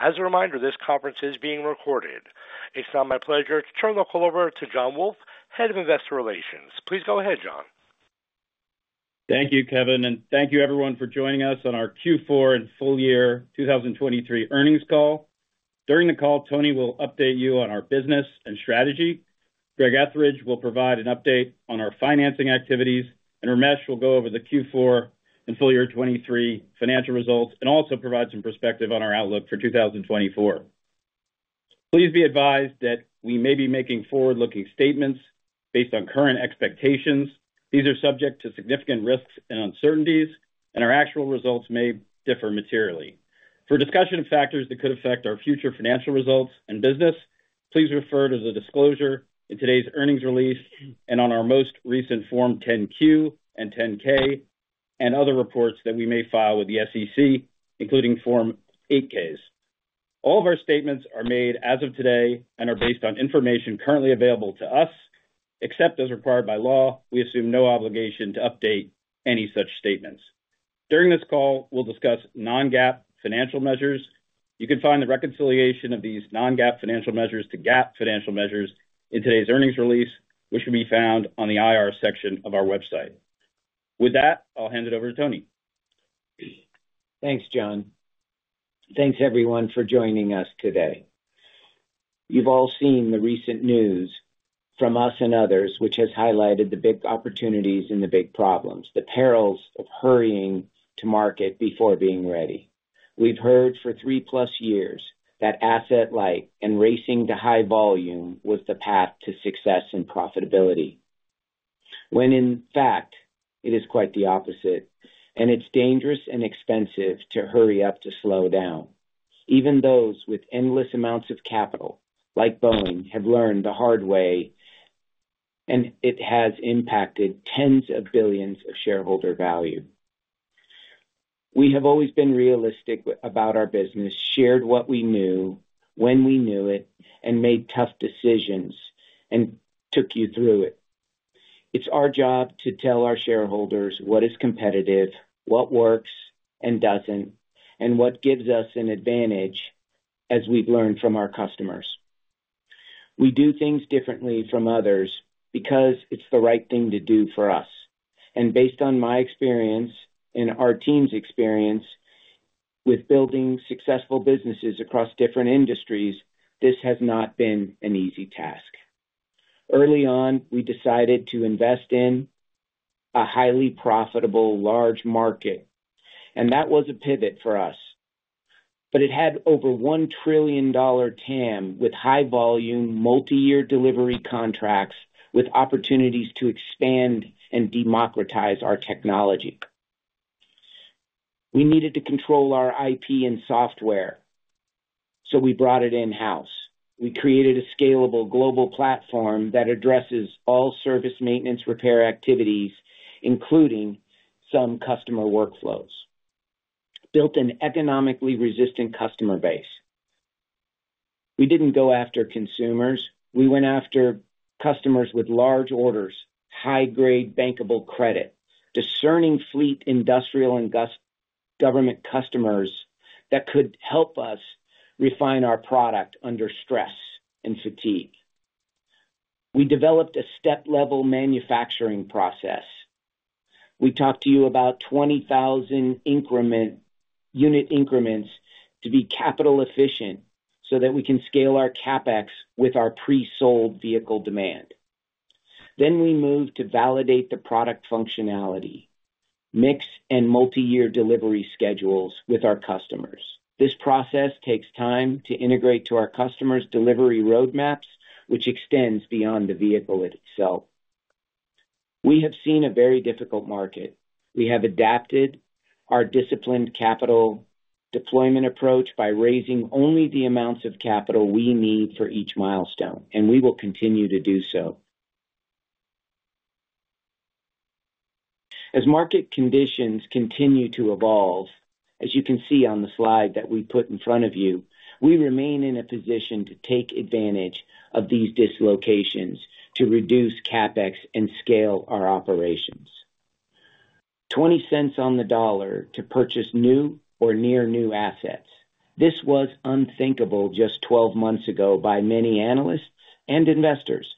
As a reminder, this conference is being recorded. It's now my pleasure to turn the call over to John Wolf, Head of Investor Relations. Please go ahead, John. Thank you, Kevin, and thank you everyone for joining us on our Q4 and full year 2023 earnings call. During the call, Tony will update you on our business and strategy. Greg Ethridge will provide an update on our financing activities, and Ramesh will go over the Q4 and full year 2023 financial results and also provide some perspective on our outlook for 2024. Please be advised that we may be making forward-looking statements based on current expectations. These are subject to significant risks and uncertainties, and our actual results may differ materially. For a discussion of factors that could affect our future financial results and business, please refer to the disclosure in today's earnings release and on our most recent Form 10-Q and 10-K, and other reports that we may file with the SEC, including Form 8-Ks. All of our statements are made as of today and are based on information currently available to us. Except as required by law, we assume no obligation to update any such statements. During this call, we'll discuss non-GAAP financial measures. You can find the reconciliation of these non-GAAP financial measures to GAAP financial measures in today's earnings release, which can be found on the IR section of our website. With that, I'll hand it over to Tony. Thanks, John. Thanks, everyone, for joining us today. You've all seen the recent news from us and others, which has highlighted the big opportunities and the big problems, the perils of hurrying to market before being ready. We've heard for three-plus years that asset light and racing to high volume was the path to success and profitability, when in fact, it is quite the opposite, and it's dangerous and expensive to hurry up to slow down. Even those with endless amounts of capital, like Boeing, have learned the hard way, and it has impacted $tens of billions of shareholder value. We have always been realistic about our business, shared what we knew, when we knew it, and made tough decisions and took you through it. It's our job to tell our shareholders what is competitive, what works and doesn't, and what gives us an advantage as we've learned from our customers. We do things differently from others because it's the right thing to do for us. Based on my experience and our team's experience with building successful businesses across different industries, this has not been an easy task. Early on, we decided to invest in a highly profitable, large market, and that was a pivot for us. It had over $1 trillion TAM, with high volume, multi-year delivery contracts, with opportunities to expand and democratize our technology. We needed to control our IP and software, so we brought it in-house. We created a scalable global platform that addresses all service maintenance, repair activities, including some customer workflows, built an economically resistant customer base. We didn't go after consumers. We went after customers with large orders, high-grade bankable credit, discerning fleet, industrial, and government customers that could help us refine our product under stress and fatigue. We developed a step-level manufacturing process. We talked to you about 20,000 unit increments to be capital efficient so that we can scale our CapEx with our pre-sold vehicle demand. Then we moved to validate the product functionality, mix, and multi-year delivery schedules with our customers. This process takes time to integrate to our customers' delivery roadmaps, which extends beyond the vehicle itself. We have seen a very difficult market. We have adapted our disciplined capital deployment approach by raising only the amounts of capital we need for each milestone, and we will continue to do so. As market conditions continue to evolve, as you can see on the slide that we put in front of you, we remain in a position to take advantage of these dislocations to reduce CapEx and scale our operations. 20 cents on the dollar to purchase new or near new assets. This was unthinkable just 12 months ago by many analysts and investors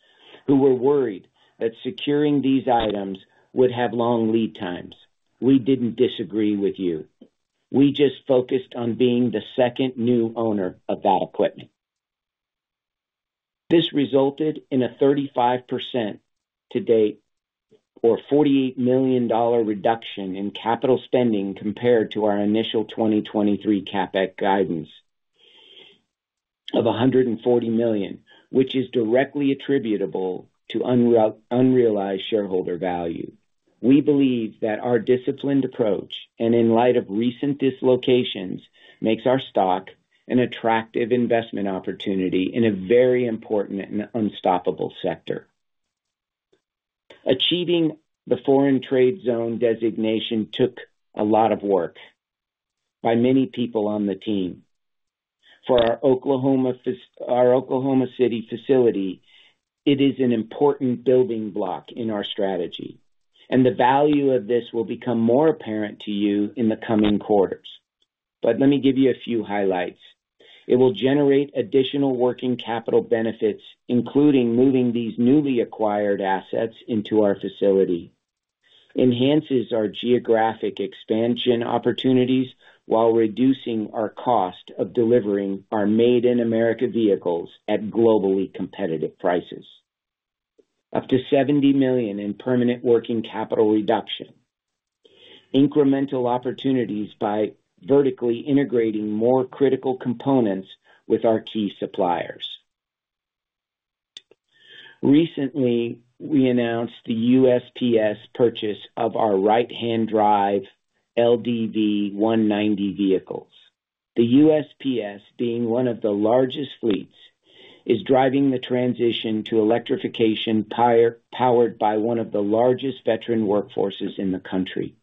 who were worried that securing these items would have long lead times. We didn't disagree with you. We just focused on being the second new owner of that equipment. This resulted in a 35% to date, or $48 million reduction in capital spending compared to our initial 2023 CapEx guidance of $140 million, which is directly attributable to unrealized shareholder value. We believe that our disciplined approach, and in light of recent dislocations, makes our stock an attractive investment opportunity in a very important and unstoppable sector. Achieving the Foreign Trade Zone designation took a lot of work by many people on the team. For our Oklahoma City facility, it is an important building block in our strategy. The value of this will become more apparent to you in the coming quarters. But let me give you a few highlights. It will generate additional working capital benefits, including moving these newly acquired assets into our facility, enhances our geographic expansion opportunities while reducing our cost of delivering our Made in America vehicles at globally competitive prices. Up to $70 million in permanent working capital reduction. Incremental opportunities by vertically integrating more critical components with our key suppliers. Recently, we announced the USPS purchase of our right-hand drive LDV 190 vehicles. The USPS, being one of the largest fleets, is driving the transition to electrification, tirelessly powered by one of the largest veteran workforces in the country.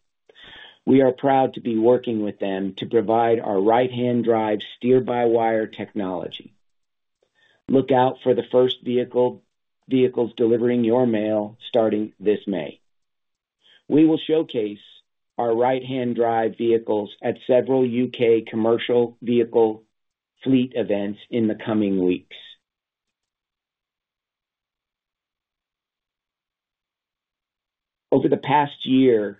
We are proud to be working with them to provide our right-hand drive, steer-by-wire technology. Look out for the first vehicle, vehicles delivering your mail starting this May. We will showcase our right-hand drive vehicles at several U.K. commercial vehicle fleet events in the coming weeks. Over the past year,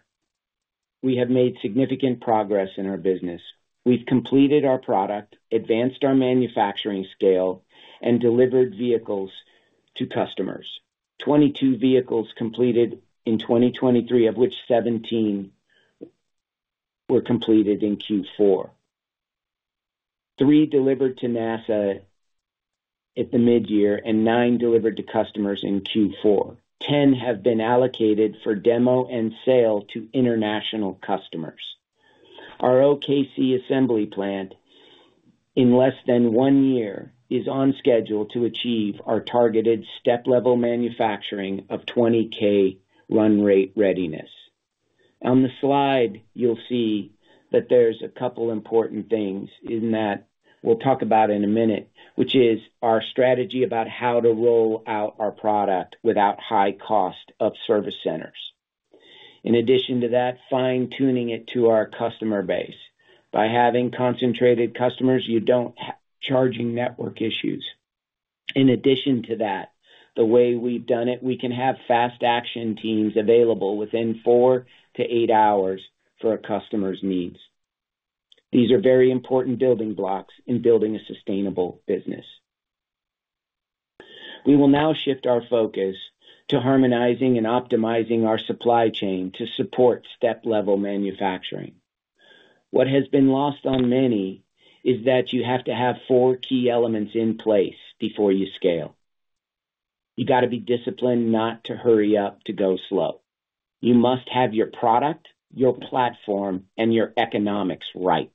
we have made significant progress in our business. We've completed our product, advanced our manufacturing scale, and delivered vehicles to customers. 22 vehicles completed in 2023, of which 17 were completed in Q4. three delivered to NASA at the midyear, and nine delivered to customers in Q4. 10 have been allocated for demo and sale to international customers. Our OKC assembly plant, in less than one year, is on schedule to achieve our targeted Step-Level Manufacturing of 20K run rate readiness. On the slide, you'll see that there's a couple important things in that we'll talk about in a minute, which is our strategy about how to roll out our product without high cost of service centers. In addition to that, fine-tuning it to our customer base. By having concentrated customers, you don't have charging network issues. In addition to that, the way we've done it, we can have fast action teams available within four to eight hours for a customer's needs. These are very important building blocks in building a sustainable business. We will now shift our focus to harmonizing and optimizing our supply chain to support Step-Level Manufacturing. What has been lost on many is that you have to have four key elements in place before you scale. You got to be disciplined not to hurry up, to go slow. You must have your product, your platform, and your economics right.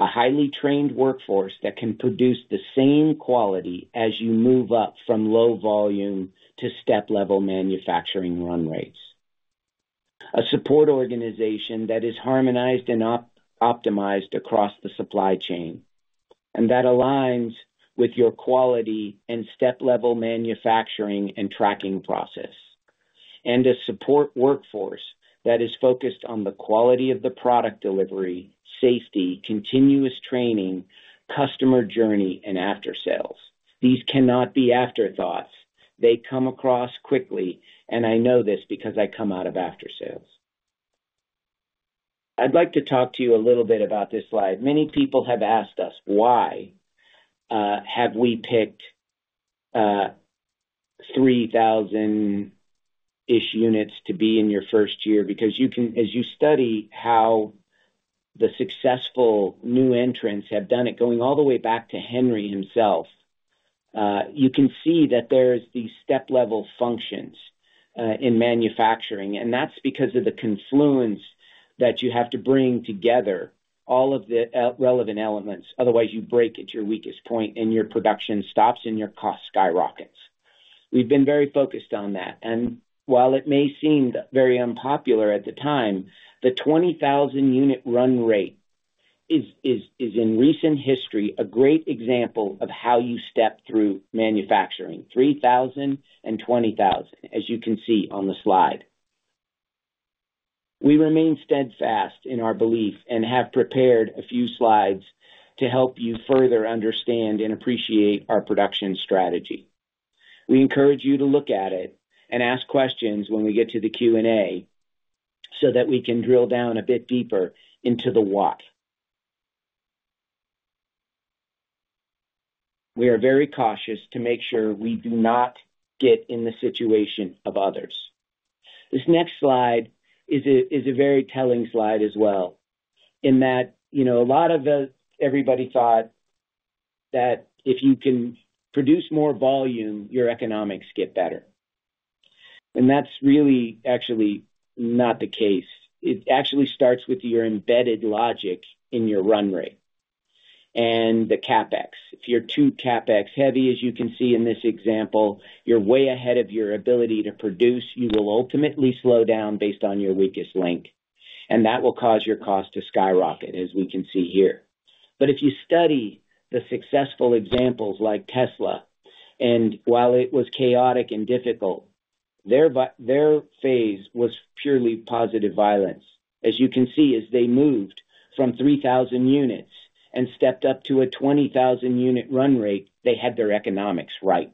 A highly trained workforce that can produce the same quality as you move up from low volume to step-level manufacturing run rates. A support organization that is harmonized and optimized across the supply chain, and that aligns with your quality and step-level manufacturing and tracking process. And a support workforce that is focused on the quality of the product delivery, safety, continuous training, customer journey, and aftersales. These cannot be afterthoughts. They come across quickly, and I know this because I come out of aftersales. I'd like to talk to you a little bit about this slide. Many people have asked us, "Why, have we picked, three thousand-ish units to be in your first year?" Because you can... As you study how the successful new entrants have done it, going all the way back to Henry himself, you can see that there's these step-level functions, in manufacturing, and that's because of the confluence that you have to bring together all of the, relevant elements. Otherwise, you break at your weakest point, and your production stops and your cost skyrockets. We've been very focused on that, and while it may seem very unpopular at the time, the 20,000 unit run rate is, is, is in recent history, a great example of how you step through manufacturing, 3,000 and 20,000, as you can see on the slide. We remain steadfast in our belief and have prepared a few slides to help you further understand and appreciate our production strategy. We encourage you to look at it and ask questions when we get to the Q&A, so that we can drill down a bit deeper into the what. We are very cautious to make sure we do not get in the situation of others. This next slide is a very telling slide as well, in that, you know, a lot of the everybody thought that if you can produce more volume, your economics get better. That's really actually not the case. It actually starts with your embedded logic in your run rate and the CapEx. If you're too CapEx heavy, as you can see in this example, you're way ahead of your ability to produce, you will ultimately slow down based on your weakest link. and that will cause your cost to skyrocket, as we can see here. But if you study the successful examples like Tesla, and while it was chaotic and difficult, their phase was purely positive variance. As you can see, as they moved from 3,000 units and stepped up to a 20,000 unit run rate, they had their economics right.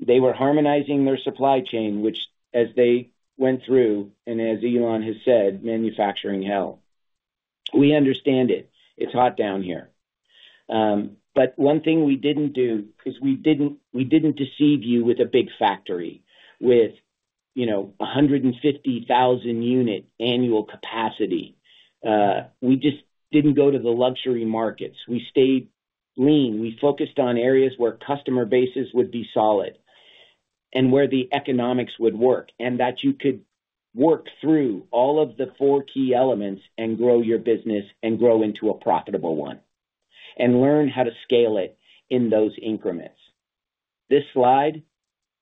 They were harmonizing their supply chain, which as they went through, and as Elon has said, manufacturing hell. We understand it. It's hot down here. But one thing we didn't do, is we didn't, we didn't deceive you with a big factory, with, you know, a 150,000 unit annual capacity. We just didn't go to the luxury markets. We stayed lean. We focused on areas where customer bases would be solid and where the economics would work, and that you could work through all of the four key elements and grow your business and grow into a profitable one, and learn how to scale it in those increments. This slide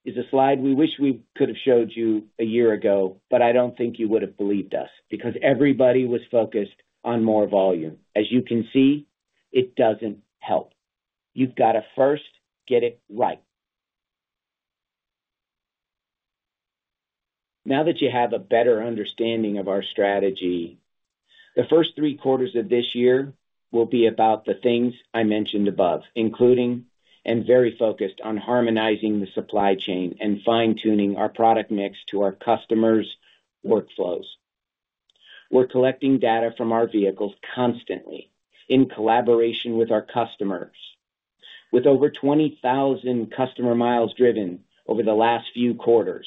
is a slide we wish we could have showed you a year ago, but I don't think you would have believed us, because everybody was focused on more volume. As you can see, it doesn't help. You've got to first get it right. Now that you have a better understanding of our strategy, the first three quarters of this year will be about the things I mentioned above, including and very focused on harmonizing the supply chain and fine-tuning our product mix to our customers' workflows. We're collecting data from our vehicles constantly in collaboration with our customers. With over 20,000 customer miles driven over the last few quarters,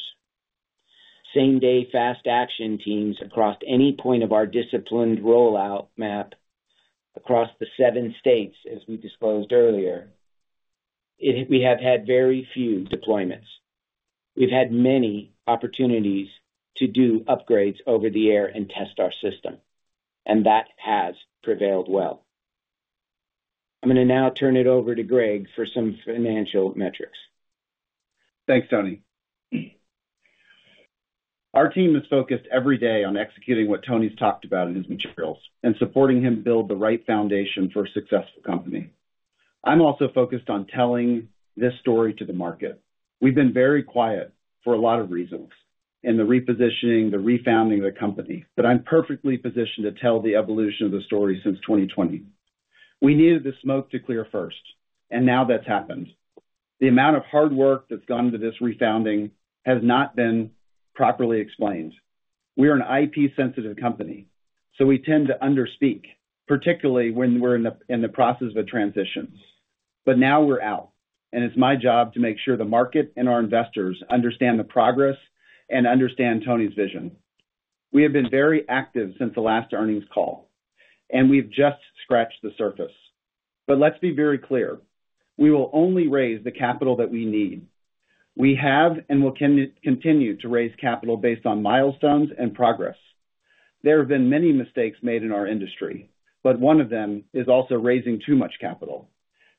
same-day fast action teams across any point of our disciplined rollout map across the seven states, as we disclosed earlier, it, we have had very few deployments. We've had many opportunities to do upgrades over the air and test our system, and that has prevailed well. I'm gonna now turn it over to Greg for some financial metrics. Thanks, Tony. Our team is focused every day on executing what Tony's talked about in his materials and supporting him build the right foundation for a successful company. I'm also focused on telling this story to the market. We've been very quiet for a lot of reasons in the repositioning, the refounding of the company, but I'm perfectly positioned to tell the evolution of the story since 2020. We needed the smoke to clear first, and now that's happened. The amount of hard work that's gone into this refounding has not been properly explained. We are an IP-sensitive company, so we tend to underspeak, particularly when we're in the process of transitions. But now we're out, and it's my job to make sure the market and our investors understand the progress and understand Tony's vision. We have been very active since the last earnings call, and we've just scratched the surface. But let's be very clear, we will only raise the capital that we need. We have and will continue to raise capital based on milestones and progress. There have been many mistakes made in our industry, but one of them is also raising too much capital.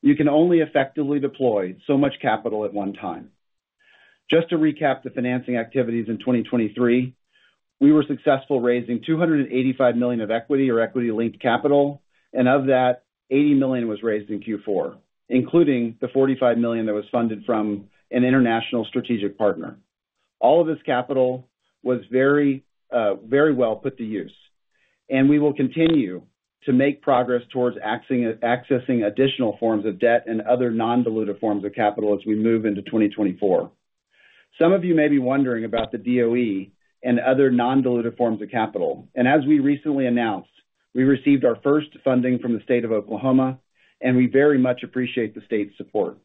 You can only effectively deploy so much capital at one time. Just to recap the financing activities in 2023, we were successful raising $285 million of equity or equity-linked capital, and of that, $80 million was raised in Q4, including the $45 million that was funded from an international strategic partner. All of this capital was very well put to use, and we will continue to make progress towards accessing additional forms of debt and other non-dilutive forms of capital as we move into 2024. Some of you may be wondering about the DOE and other non-dilutive forms of capital, and as we recently announced, we received our first funding from the state of Oklahoma, and we very much appreciate the state's support.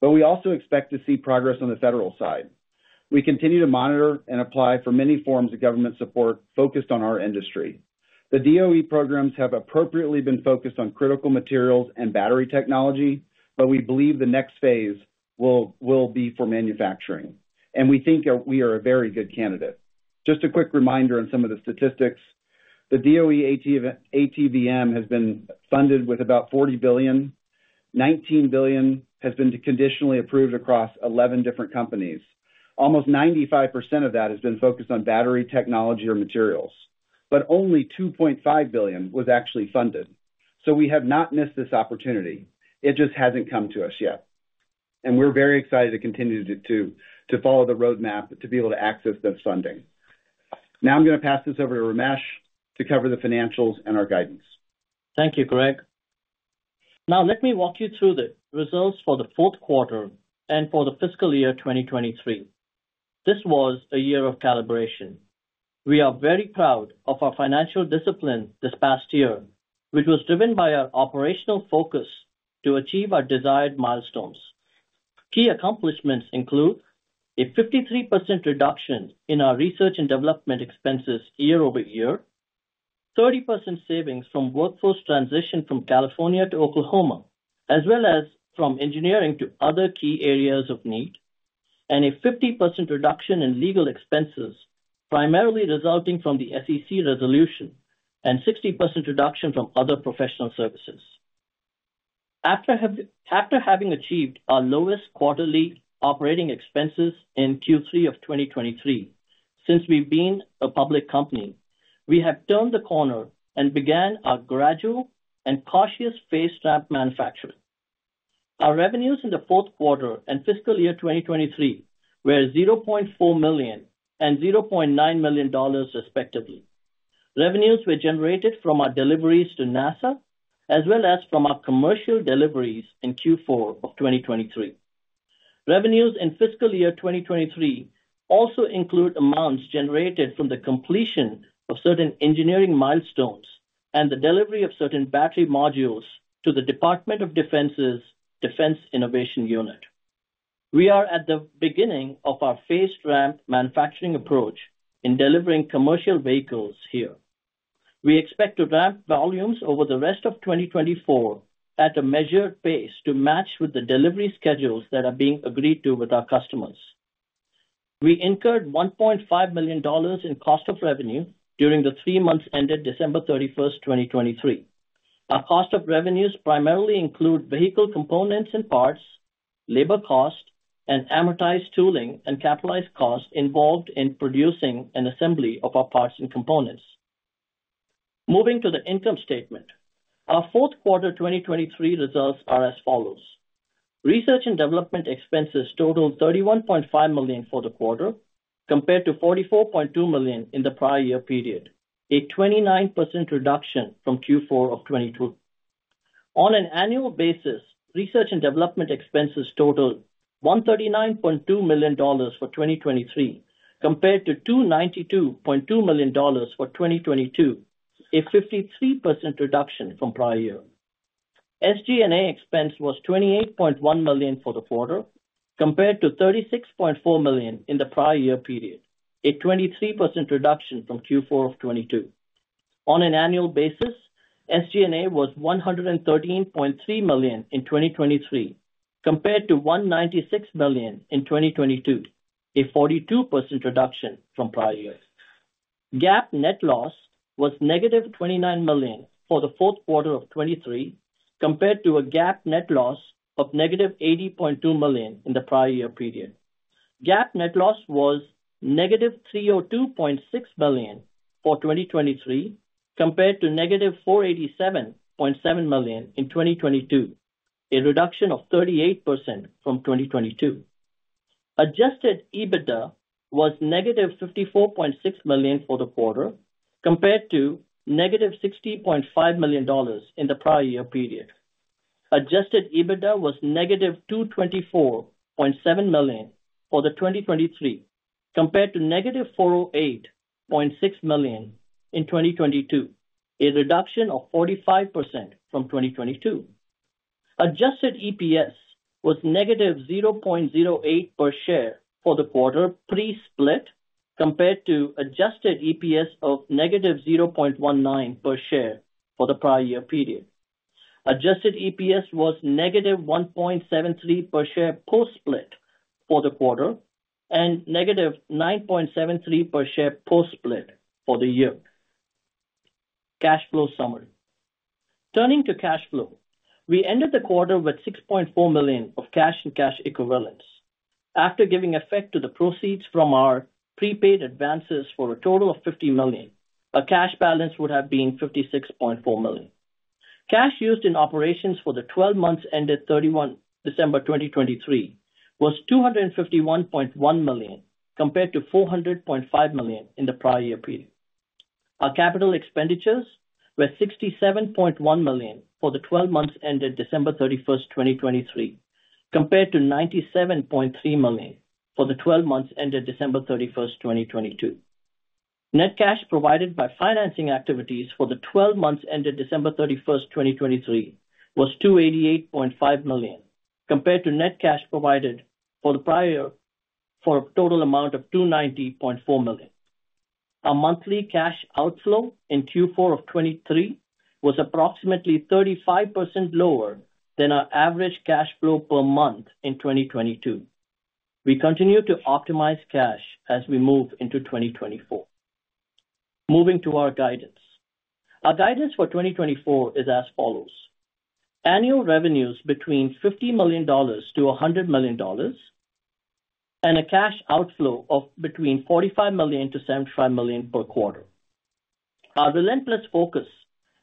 But we also expect to see progress on the federal side. We continue to monitor and apply for many forms of government support focused on our industry. The DOE programs have appropriately been focused on critical materials and battery technology, but we believe the next phase will be for manufacturing, and we think that we are a very good candidate. Just a quick reminder on some of the statistics. The DOE ATVM has been funded with about $40 billion. $19 billion has been conditionally approved across 11 different companies. Almost 95% of that has been focused on battery, technology, or materials, but only $2.5 billion was actually funded. So we have not missed this opportunity. It just hasn't come to us yet, and we're very excited to continue to follow the roadmap to be able to access this funding. Now I'm gonna pass this over to Ramesh to cover the financials and our guidance. Thank you, Greg. Now let me walk you through the results for the fourth quarter and for the fiscal year 2023. This was a year of calibration. We are very proud of our financial discipline this past year, which was driven by our operational focus to achieve our desired milestones. Key accomplishments include a 53% reduction in our research and development expenses year-over-year, 30% savings from workforce transition from California to Oklahoma, as well as from engineering to other key areas of need, and a 50% reduction in legal expenses, primarily resulting from the SEC resolution, and 60% reduction from other professional services. After having achieved our lowest quarterly operating expenses in Q3 of 2023, since we've been a public company, we have turned the corner and began our gradual and cautious phase ramp manufacturing. Our revenues in the fourth quarter and fiscal year 2023 were $0.4 million and $0.9 million, respectively. Revenues were generated from our deliveries to NASA, as well as from our commercial deliveries in Q4 of 2023. Revenues in fiscal year 2023 also include amounts generated from the completion of certain engineering milestones and the delivery of certain battery modules to the Department of Defense's Defense Innovation Unit. We are at the beginning of our phased ramp manufacturing approach in delivering commercial vehicles here. We expect to ramp volumes over the rest of 2024 at a measured pace to match with the delivery schedules that are being agreed to with our customers. We incurred $1.5 million in cost of revenue during the three months ended December 31, 2023. Our cost of revenues primarily include vehicle components and parts, labor cost, and amortized tooling and capitalized costs involved in producing an assembly of our parts and components. Moving to the income statement. Our fourth quarter 2023 results are as follows: Research and development expenses totaled $31.5 million for the quarter, compared to $44.2 million in the prior year period, a 29% reduction from Q4 of 2022. On an annual basis, research and development expenses totaled $139.2 million for 2023, compared to $292.2 million for 2022, a 53% reduction from prior year. SG&A expense was $28.1 million for the quarter, compared to $36.4 million in the prior year period, a 23% reduction from Q4 of 2022. On an annual basis, SG&A was $113.3 million in 2023, compared to $196 million in 2022, a 42% reduction from prior years. GAAP net loss was -$29 million for the fourth quarter of 2023, compared to a GAAP net loss of -$80.2 million in the prior year period. GAAP net loss was -$302.6 million for 2023, compared to -$487.7 million in 2022, a reduction of 38% from 2022. Adjusted EBITDA was -$54.6 million for the quarter, compared to -$60.5 million in the prior year period. Adjusted EBITDA was -$224.7 million for 2023, compared to -$408.6 million in 2022, a reduction of 45% from 2022. Adjusted EPS was -0.08 per share for the quarter pre-split, compared to adjusted EPS of -0.19 per share for the prior year period. Adjusted EPS was -1.73 per share post-split for the quarter, and -9.73 per share post-split for the year. Cash flow summary. Turning to cash flow, we ended the quarter with $6.4 million of cash and cash equivalents. After giving effect to the proceeds from our prepaid advances for a total of $50 million, our cash balance would have been $56.4 million. Cash used in operations for the twelve months ended December 31, 2023 was $251.1 million, compared to $400.5 million in the prior year period. Our capital expenditures were $67.1 million for the twelve months ended December 31, 2023, compared to $97.3 million for the twelve months ended December 31, 2022. Net cash provided by financing activities for the twelve months ended December 31, 2023, was $288.5 million, compared to net cash provided for the prior year for a total amount of $290.4 million. Our monthly cash outflow in Q4 of 2023 was approximately 35% lower than our average cash flow per month in 2022. We continue to optimize cash as we move into 2024. Moving to our guidance. Our guidance for 2024 is as follows: annual revenues between $50 million-$100 million, and a cash outflow of between $45 million-$75 million per quarter. Our relentless focus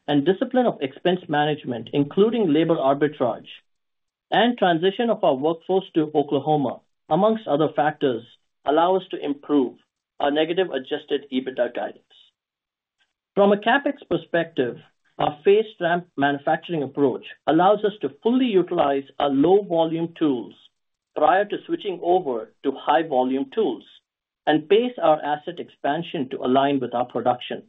and discipline of expense management, including labor arbitrage and transition of our workforce to Oklahoma, among other factors, allow us to improve our negative adjusted EBITDA guidance. From a CapEx perspective, our phased ramp manufacturing approach allows us to fully utilize our low-volume tools prior to switching over to high-volume tools and pace our asset expansion to align with our production,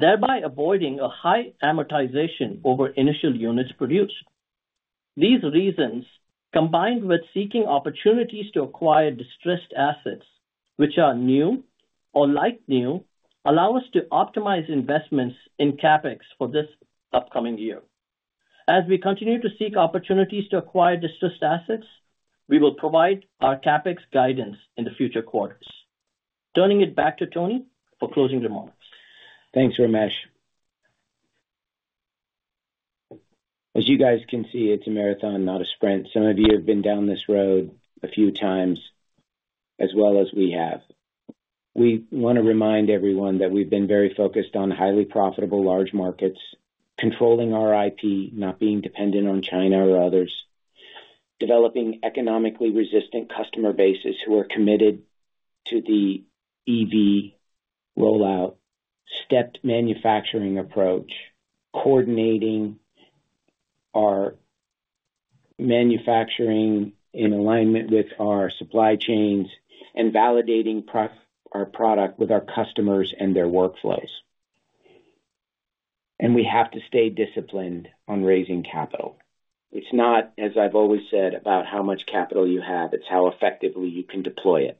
thereby avoiding a high amortization over initial units produced. These reasons, combined with seeking opportunities to acquire distressed assets which are new or like new, allow us to optimize investments in CapEx for this upcoming year. As we continue to seek opportunities to acquire distressed assets, we will provide our CapEx guidance in the future quarters. Turning it back to Tony for closing remarks. Thanks, Ramesh. As you guys can see, it's a marathon, not a sprint. Some of you have been down this road a few times as well as we have. We want to remind everyone that we've been very focused on highly profitable, large markets, controlling our IP, not being dependent on China or others, developing economically resistant customer bases who are committed to the EV rollout, stepped manufacturing approach, coordinating our manufacturing in alignment with our supply chains, and validating our product with our customers and their workflows. We have to stay disciplined on raising capital. It's not, as I've always said, about how much capital you have, it's how effectively you can deploy it,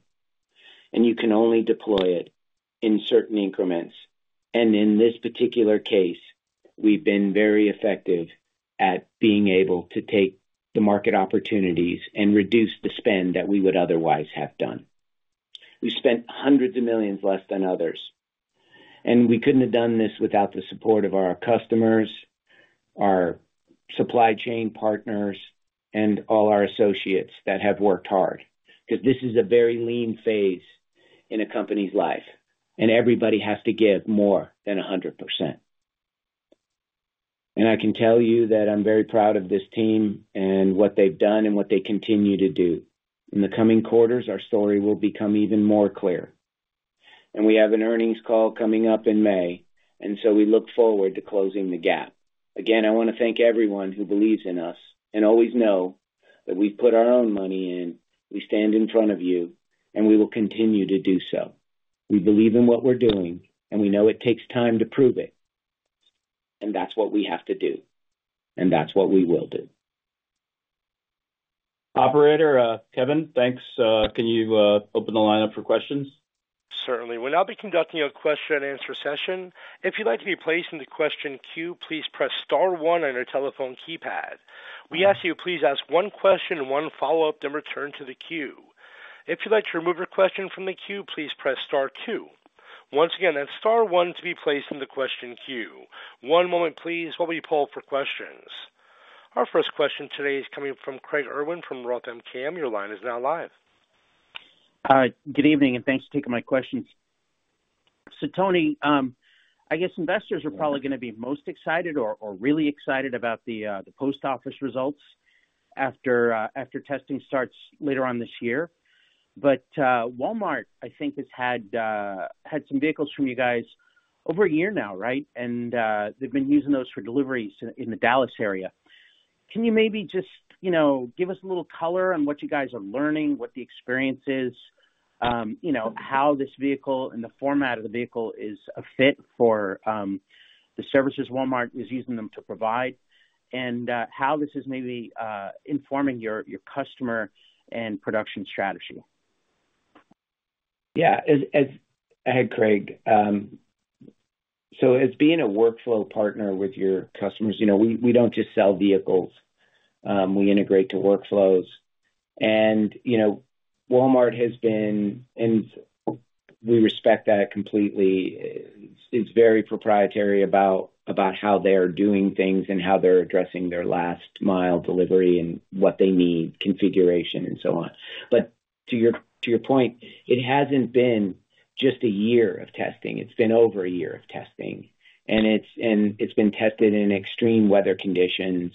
and you can only deploy it in certain increments. In this particular case, we've been very effective at being able to take the market opportunities and reduce the spend that we would otherwise have done. We spent $hundreds of millions less than others, and we couldn't have done this without the support of our customers, our supply chain partners, and all our associates that have worked hard, because this is a very lean phase in a company's life, and everybody has to give more than 100%. I can tell you that I'm very proud of this team and what they've done and what they continue to do. In the coming quarters, our story will become even more clear, and we have an earnings call coming up in May, and so we look forward to closing the gap. Again, I want to thank everyone who believes in us and always know that we put our own money in. We stand in front of you, and we will continue to do so. We believe in what we're doing, and we know it takes time to prove it, and that's what we have to do, and that's what we will do. Operator, Kevin, thanks. Can you open the line up for questions? Certainly. We'll now be conducting a question-and-answer session. If you'd like to be placed in the question queue, please press star one on your telephone keypad. We ask you to please ask one question and one follow-up, then return to the queue. If you'd like to remove your question from the queue, please press star two. Once again, that's star one to be placed in the question queue. One moment please, while we poll for questions. Our first question today is coming from Craig Irwin from Roth MKM. Your line is now live. Hi, good evening, and thanks for taking my questions. So, Tony, I guess investors are probably going to be most excited or, or really excited about the, the post office results after, after testing starts later on this year. But, Walmart, I think, has had, had some vehicles from you guys over a year now, right? And, they've been using those for deliveries in the Dallas area. Can you maybe just, you know, give us a little color on what you guys are learning, what the experience is, you know, how this vehicle and the format of the vehicle is a fit for, the services Walmart is using them to provide, and, how this is maybe, informing your, your customer and production strategy? Yeah. Ahead, Craig. So as being a workflow partner with your customers, you know, we, we don't just sell vehicles, we integrate to workflows. And, you know, Walmart has been, and we respect that completely, it's very proprietary about how they're doing things and how they're addressing their last mile delivery and what they need, configuration and so on. But to your point, it hasn't been just a year of testing. It's been over a year of testing, and it's been tested in extreme weather conditions,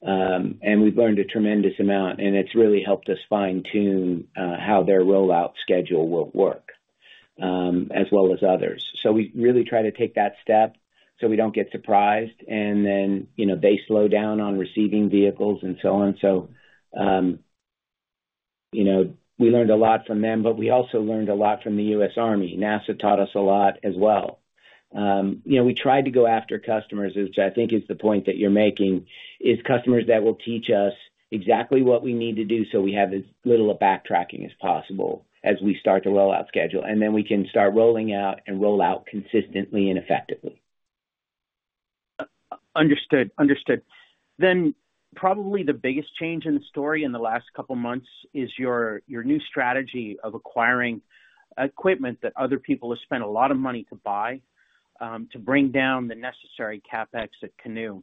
and we've learned a tremendous amount, and it's really helped us fine-tune how their rollout schedule will work, as well as others. So we really try to take that step so we don't get surprised, and then, you know, they slow down on receiving vehicles and so on. So, you know, we learned a lot from them, but we also learned a lot from the US Army. NASA taught us a lot as well. You know, we tried to go after customers, which I think is the point that you're making, is customers that will teach us exactly what we need to do so we have as little of backtracking as possible as we start the rollout schedule, and then we can start rolling out and roll out consistently and effectively. Understood. Understood. Then, probably the biggest change in the story in the last couple of months is your new strategy of acquiring equipment that other people have spent a lot of money to buy to bring down the necessary CapEx at Canoo.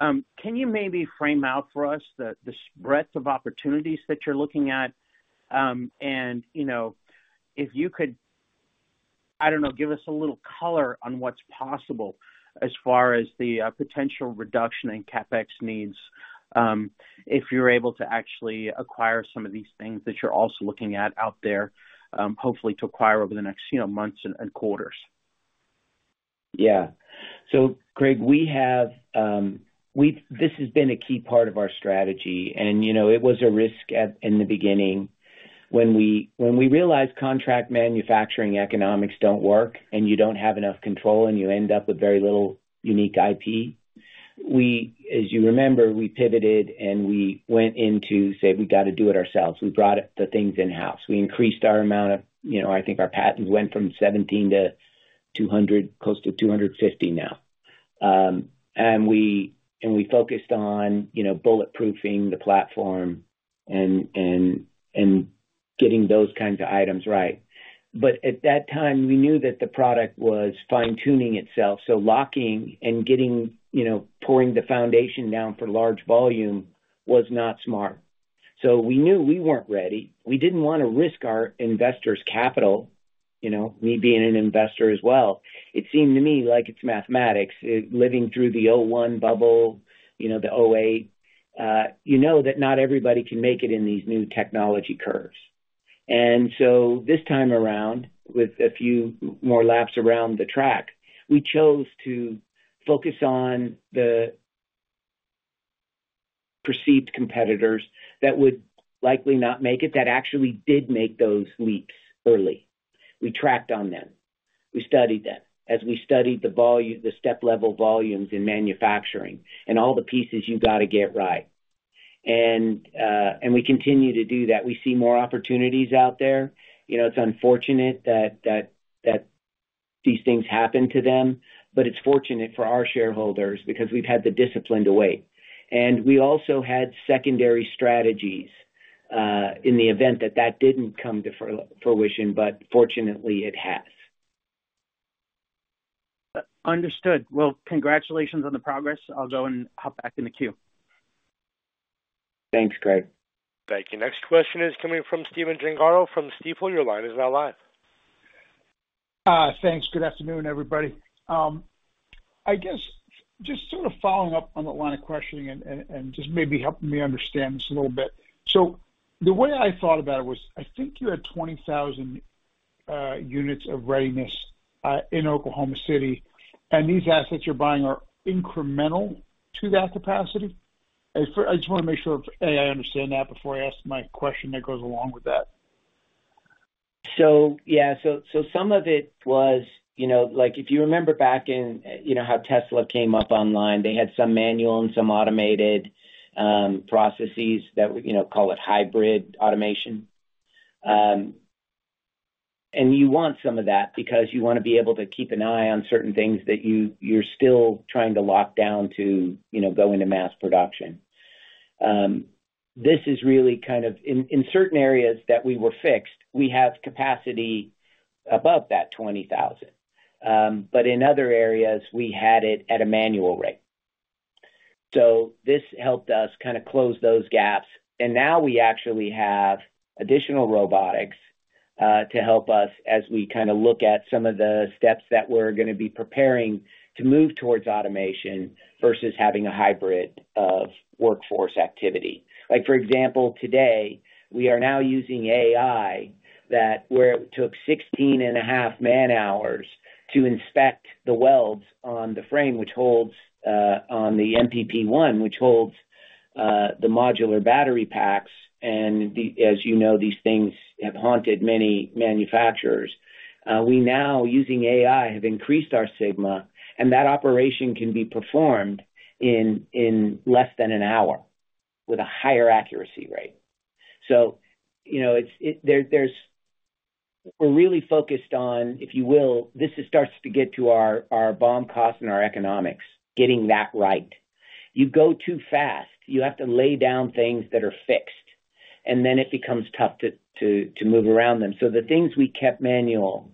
Can you maybe frame out for us the breadth of opportunities that you're looking at? And, you know, if you could, I don't know, give us a little color on what's possible as far as the potential reduction in CapEx needs if you're able to actually acquire some of these things that you're also looking at out there, hopefully to acquire over the next, you know, months and quarters. Yeah. So Craig, we have, we've this has been a key part of our strategy, and, you know, it was a risk at, in the beginning. When we, when we realized contract manufacturing economics don't work, and you don't have enough control, and you end up with very little unique IP, we, as you remember, we pivoted, and we went into say, "We got to do it ourselves." We brought the things in-house. We increased our amount of, you know, I think our patents went from 17 to 200, close to 250 now. And we, and we focused on, you know, bulletproofing the platform and, and, and getting those kinds of items right. But at that time, we knew that the product was fine-tuning itself, so locking and getting, you know, pouring the foundation down for large volume was not smart. So we knew we weren't ready. We didn't want to risk our investors' capital, you know, me being an investor as well. It seemed to me like it's mathematics. Living through the 2001 bubble, you know, the 2008, you know that not everybody can make it in these new technology curves. And so this time around, with a few more laps around the track, we chose to focus on the perceived competitors that would likely not make it, that actually did make those leaps early. We tracked on them. We studied them as we studied the volume, the step-level volumes in manufacturing and all the pieces you've got to get right. And, and we continue to do that. We see more opportunities out there. You know, it's unfortunate that these things happen to them, but it's fortunate for our shareholders because we've had the discipline to wait. We also had secondary strategies in the event that that didn't come to fruition, but fortunately, it has. Understood. Well, congratulations on the progress. I'll go and hop back in the queue. Thanks, Craig. Thank you. Next question is coming from Stephen Gengaro from Stifel. Your line is now live. Thanks. Good afternoon, everybody. I guess just sort of following up on that line of questioning and just maybe helping me understand this a little bit. So the way I thought about it was, I think you're at 20,000 units of readiness in Oklahoma City, and these assets you're buying are incremental to that capacity? I just want to make sure, A, I understand that before I ask my question that goes along with that. So yeah, some of it was, you know, like, if you remember back in, you know, how Tesla came up online, they had some manual and some automated processes that would, you know, call it hybrid automation. And you want some of that because you want to be able to keep an eye on certain things that you're still trying to lock down to, you know, go into mass production. This is really kind of in certain areas that we were fixed. We have capacity above that 20,000, but in other areas, we had it at a manual rate. So this helped us kind of close those gaps, and now we actually have additional robotics to help us as we kind of look at some of the steps that we're going to be preparing to move towards automation versus having a hybrid of workforce activity. Like, for example, today, we are now using AI that where it took 16.5 man-hours to inspect the welds on the frame, which holds on the MPP 1, which holds the modular battery packs, and the, as you know, these things have haunted many manufacturers. We now, using AI, have increased our sigma, and that operation can be performed in less than an hour with a higher accuracy rate. So, you know, it's, it... We're really focused on, if you will, this starts to get to our BOM cost and our economics, getting that right. You go too fast, you have to lay down things that are fixed, and then it becomes tough to move around them. So the things we kept manual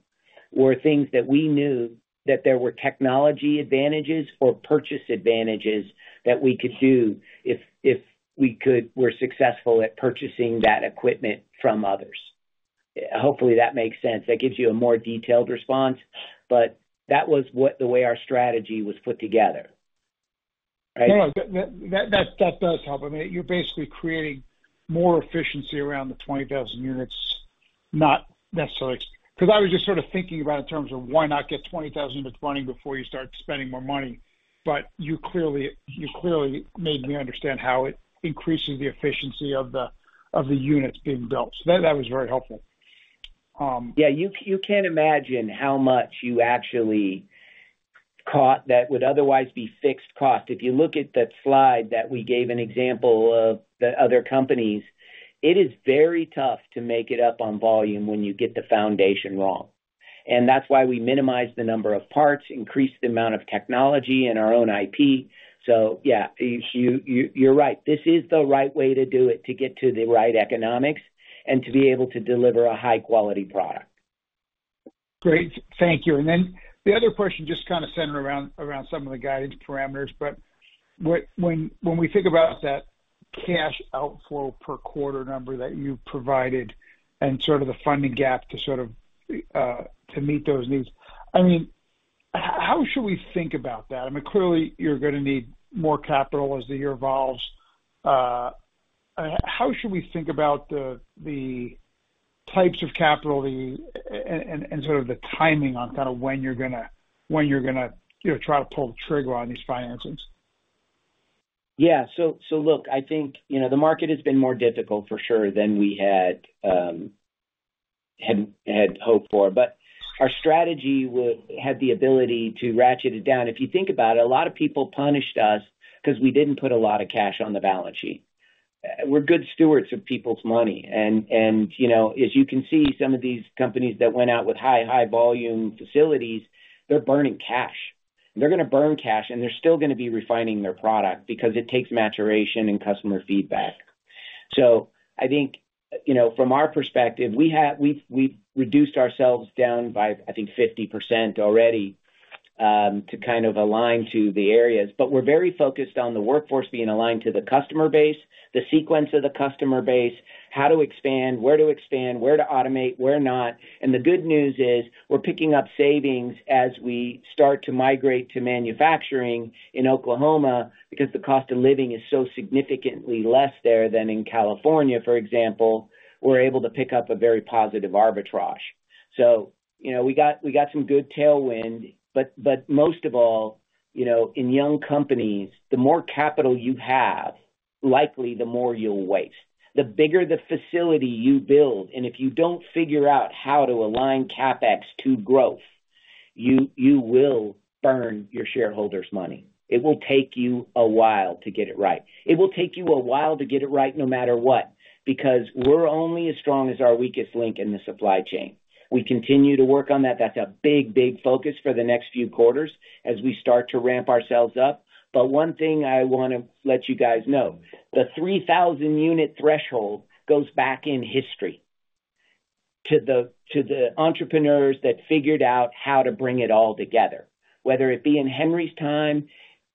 were things that we knew that there were technology advantages or purchase advantages that we could do if we could were successful at purchasing that equipment from others. Hopefully, that makes sense. That gives you a more detailed response, but that was what the way our strategy was put together. Right? No, that does help. I mean, you're basically creating more efficiency around the 20,000 units, not necessarily... Because I was just sort of thinking about in terms of why not get 20,000 units running before you start spending more money? But you clearly made me understand how it increases the efficiency of the units being built. So that was very helpful. Yeah, you can't imagine how much you actually caught that would otherwise be fixed cost. If you look at the slide that we gave an example of the other companies, it is very tough to make it up on volume when you get the foundation wrong. And that's why we minimized the number of parts, increased the amount of technology in our own IP. So yeah, you're right. This is the right way to do it, to get to the right economics and to be able to deliver a high-quality product. Great, thank you. And then the other question, just kind of centered around some of the guidance parameters, but what, when we think about that cash outflow per quarter number that you provided and sort of the funding gap to sort of to meet those needs, I mean, how should we think about that? I mean, clearly you're going to need more capital as the year evolves. How should we think about the types of capital that you and sort of the timing on kind of when you're gonna, you know, try to pull the trigger on these financings? Yeah. So look, I think, you know, the market has been more difficult for sure than we had hoped for, but our strategy would have the ability to ratchet it down. If you think about it, a lot of people punished us because we didn't put a lot of cash on the balance sheet. We're good stewards of people's money. You know, as you can see, some of these companies that went out with high volume facilities, they're burning cash. They're gonna burn cash, and they're still gonna be refining their product because it takes maturation and customer feedback. So I think, you know, from our perspective, we've reduced ourselves down by, I think, 50% already, to kind of align to the areas. But we're very focused on the workforce being aligned to the customer base, the sequence of the customer base, how to expand, where to expand, where to automate, where not. And the good news is, we're picking up savings as we start to migrate to manufacturing in Oklahoma, because the cost of living is so significantly less there than in California, for example. We're able to pick up a very positive arbitrage. So, you know, we got, we got some good tailwind, but, but most of all, you know, in young companies, the more capital you have, likely, the more you'll waste. The bigger the facility you build, and if you don't figure out how to align CapEx to growth, you, you will burn your shareholders' money. It will take you a while to get it right. It will take you a while to get it right, no matter what, because we're only as strong as our weakest link in the supply chain. We continue to work on that. That's a big, big focus for the next few quarters as we start to ramp ourselves up. But one thing I wanna let you guys know, the 3,000-unit threshold goes back in history to the entrepreneurs that figured out how to bring it all together, whether it be in Henry's time,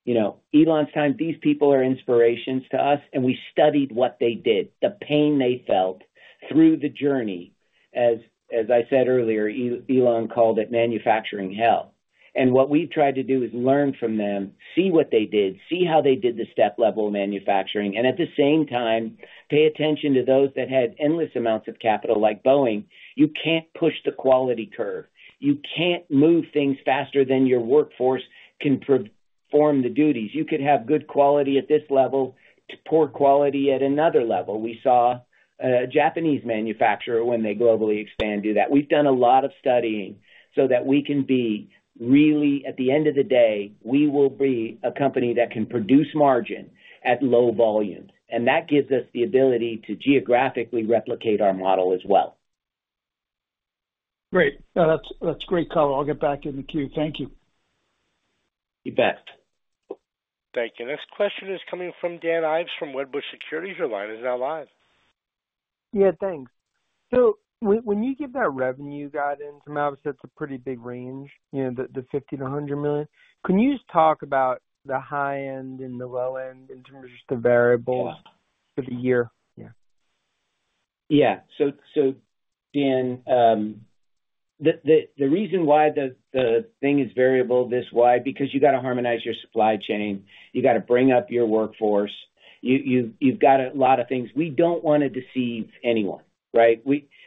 you know, Elon's time. These people are inspirations to us, and we studied what they did, the pain they felt through the journey. As I said earlier, Elon called it manufacturing hell. What we tried to do is learn from them, see what they did, see how they did the Step-Level Manufacturing, and at the same time, pay attention to those that had endless amounts of capital, like Boeing. You can't push the quality curve. You can't move things faster than your workforce can perform the duties. You could have good quality at this level to poor quality at another level. We saw a Japanese manufacturer, when they globally expand, do that. We've done a lot of studying so that we can be really... At the end of the day, we will be a company that can produce margin at low volumes, and that gives us the ability to geographically replicate our model as well. Great. No, that's, that's great, color. I'll get back in the queue. Thank you. You bet. Thank you. Next question is coming from Dan Ives, from Wedbush Securities. Your line is now live. Yeah, thanks. So when you give that revenue guidance, I mean, obviously, that's a pretty big range, you know, the $50 million-$100 million. Can you just talk about the high end and the low end in terms of just the variables? Yeah. for the year? Yeah. Yeah. So, Dan, the reason why the thing is variable this wide, because you got to harmonize your supply chain, you got to bring up your workforce. You've got a lot of things. We don't want to deceive anyone, right?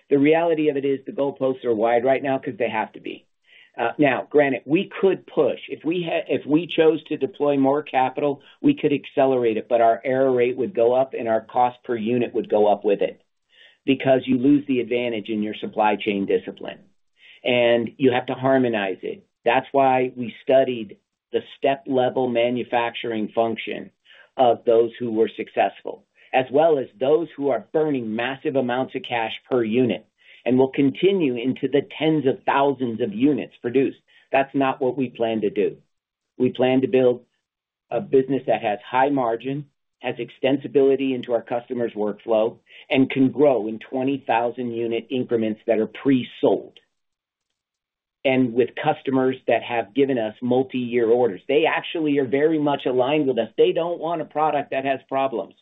The reality of it is the goalposts are wide right now because they have to be. Now, granted, we could push. If we chose to deploy more capital, we could accelerate it, but our error rate would go up, and our cost per unit would go up with it because you lose the advantage in your supply chain discipline, and you have to harmonize it. That's why we studied the step-level manufacturing function of those who were successful, as well as those who are burning massive amounts of cash per unit and will continue into the tens of thousands of units produced. That's not what we plan to do. We plan to build a business that has high margin, has extensibility into our customer's workflow, and can grow in 20,000-unit increments that are pre-sold, and with customers that have given us multiyear orders. They actually are very much aligned with us. They don't want a product that has problems.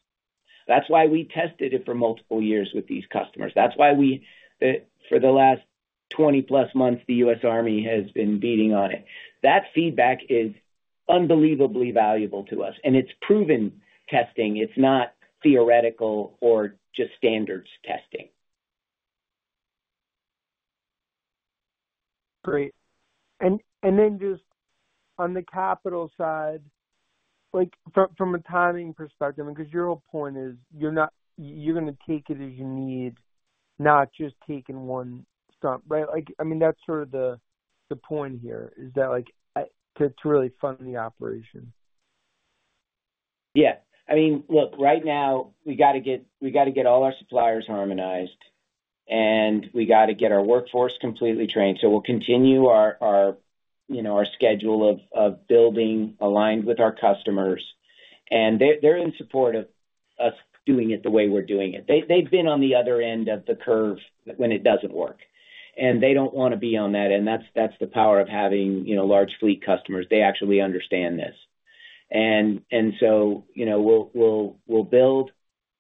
That's why we tested it for multiple years with these customers. That's why we, for the last 20+ months, the U.S. Army has been beating on it. That feedback is unbelievably valuable to us, and it's proven testing. It's not theoretical or just standards testing. Great. And then just on the capital side, like, from a timing perspective, because your whole point is you're not—you're gonna take it as you need, not just taking one stump, right? Like, I mean, that's sort of the point here, is that, like, to really fund the operation. Yeah. I mean, look, right now, we got to get all our suppliers harmonized, and we got to get our workforce completely trained. So we'll continue our, you know, our schedule of building aligned with our customers, and they're in support of us doing it the way we're doing it. They've been on the other end of the curve when it doesn't work, and they don't wanna be on that, and that's the power of having, you know, large fleet customers. They actually understand this. And so, you know, we'll build,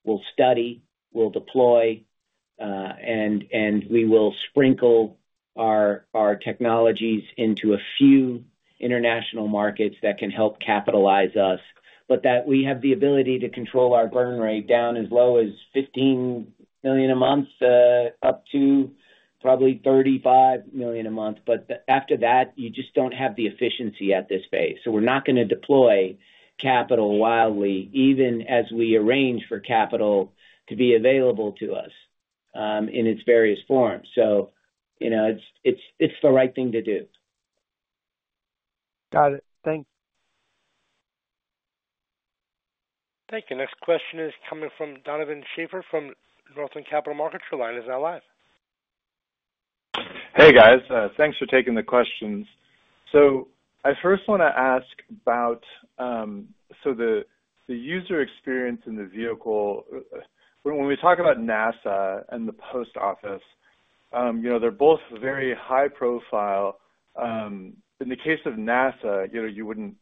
we'll study, we'll deploy, and we will sprinkle our technologies into a few international markets that can help capitalize us. But that we have the ability to control our burn rate down as low as $15 million a month up to probably $35 million a month. But after that, you just don't have the efficiency at this phase. So we're not gonna deploy capital wildly, even as we arrange for capital to be available to us in its various forms. So, you know, it's, it's, it's the right thing to do.... Got it. Thanks. Thank you. Next question is coming from Donovan Schaefer from Northland Capital Markets. Your line is now live. Hey, guys. Thanks for taking the questions. So I first want to ask about the user experience in the vehicle when we talk about NASA and the post office, you know, they're both very high profile. In the case of NASA, you know,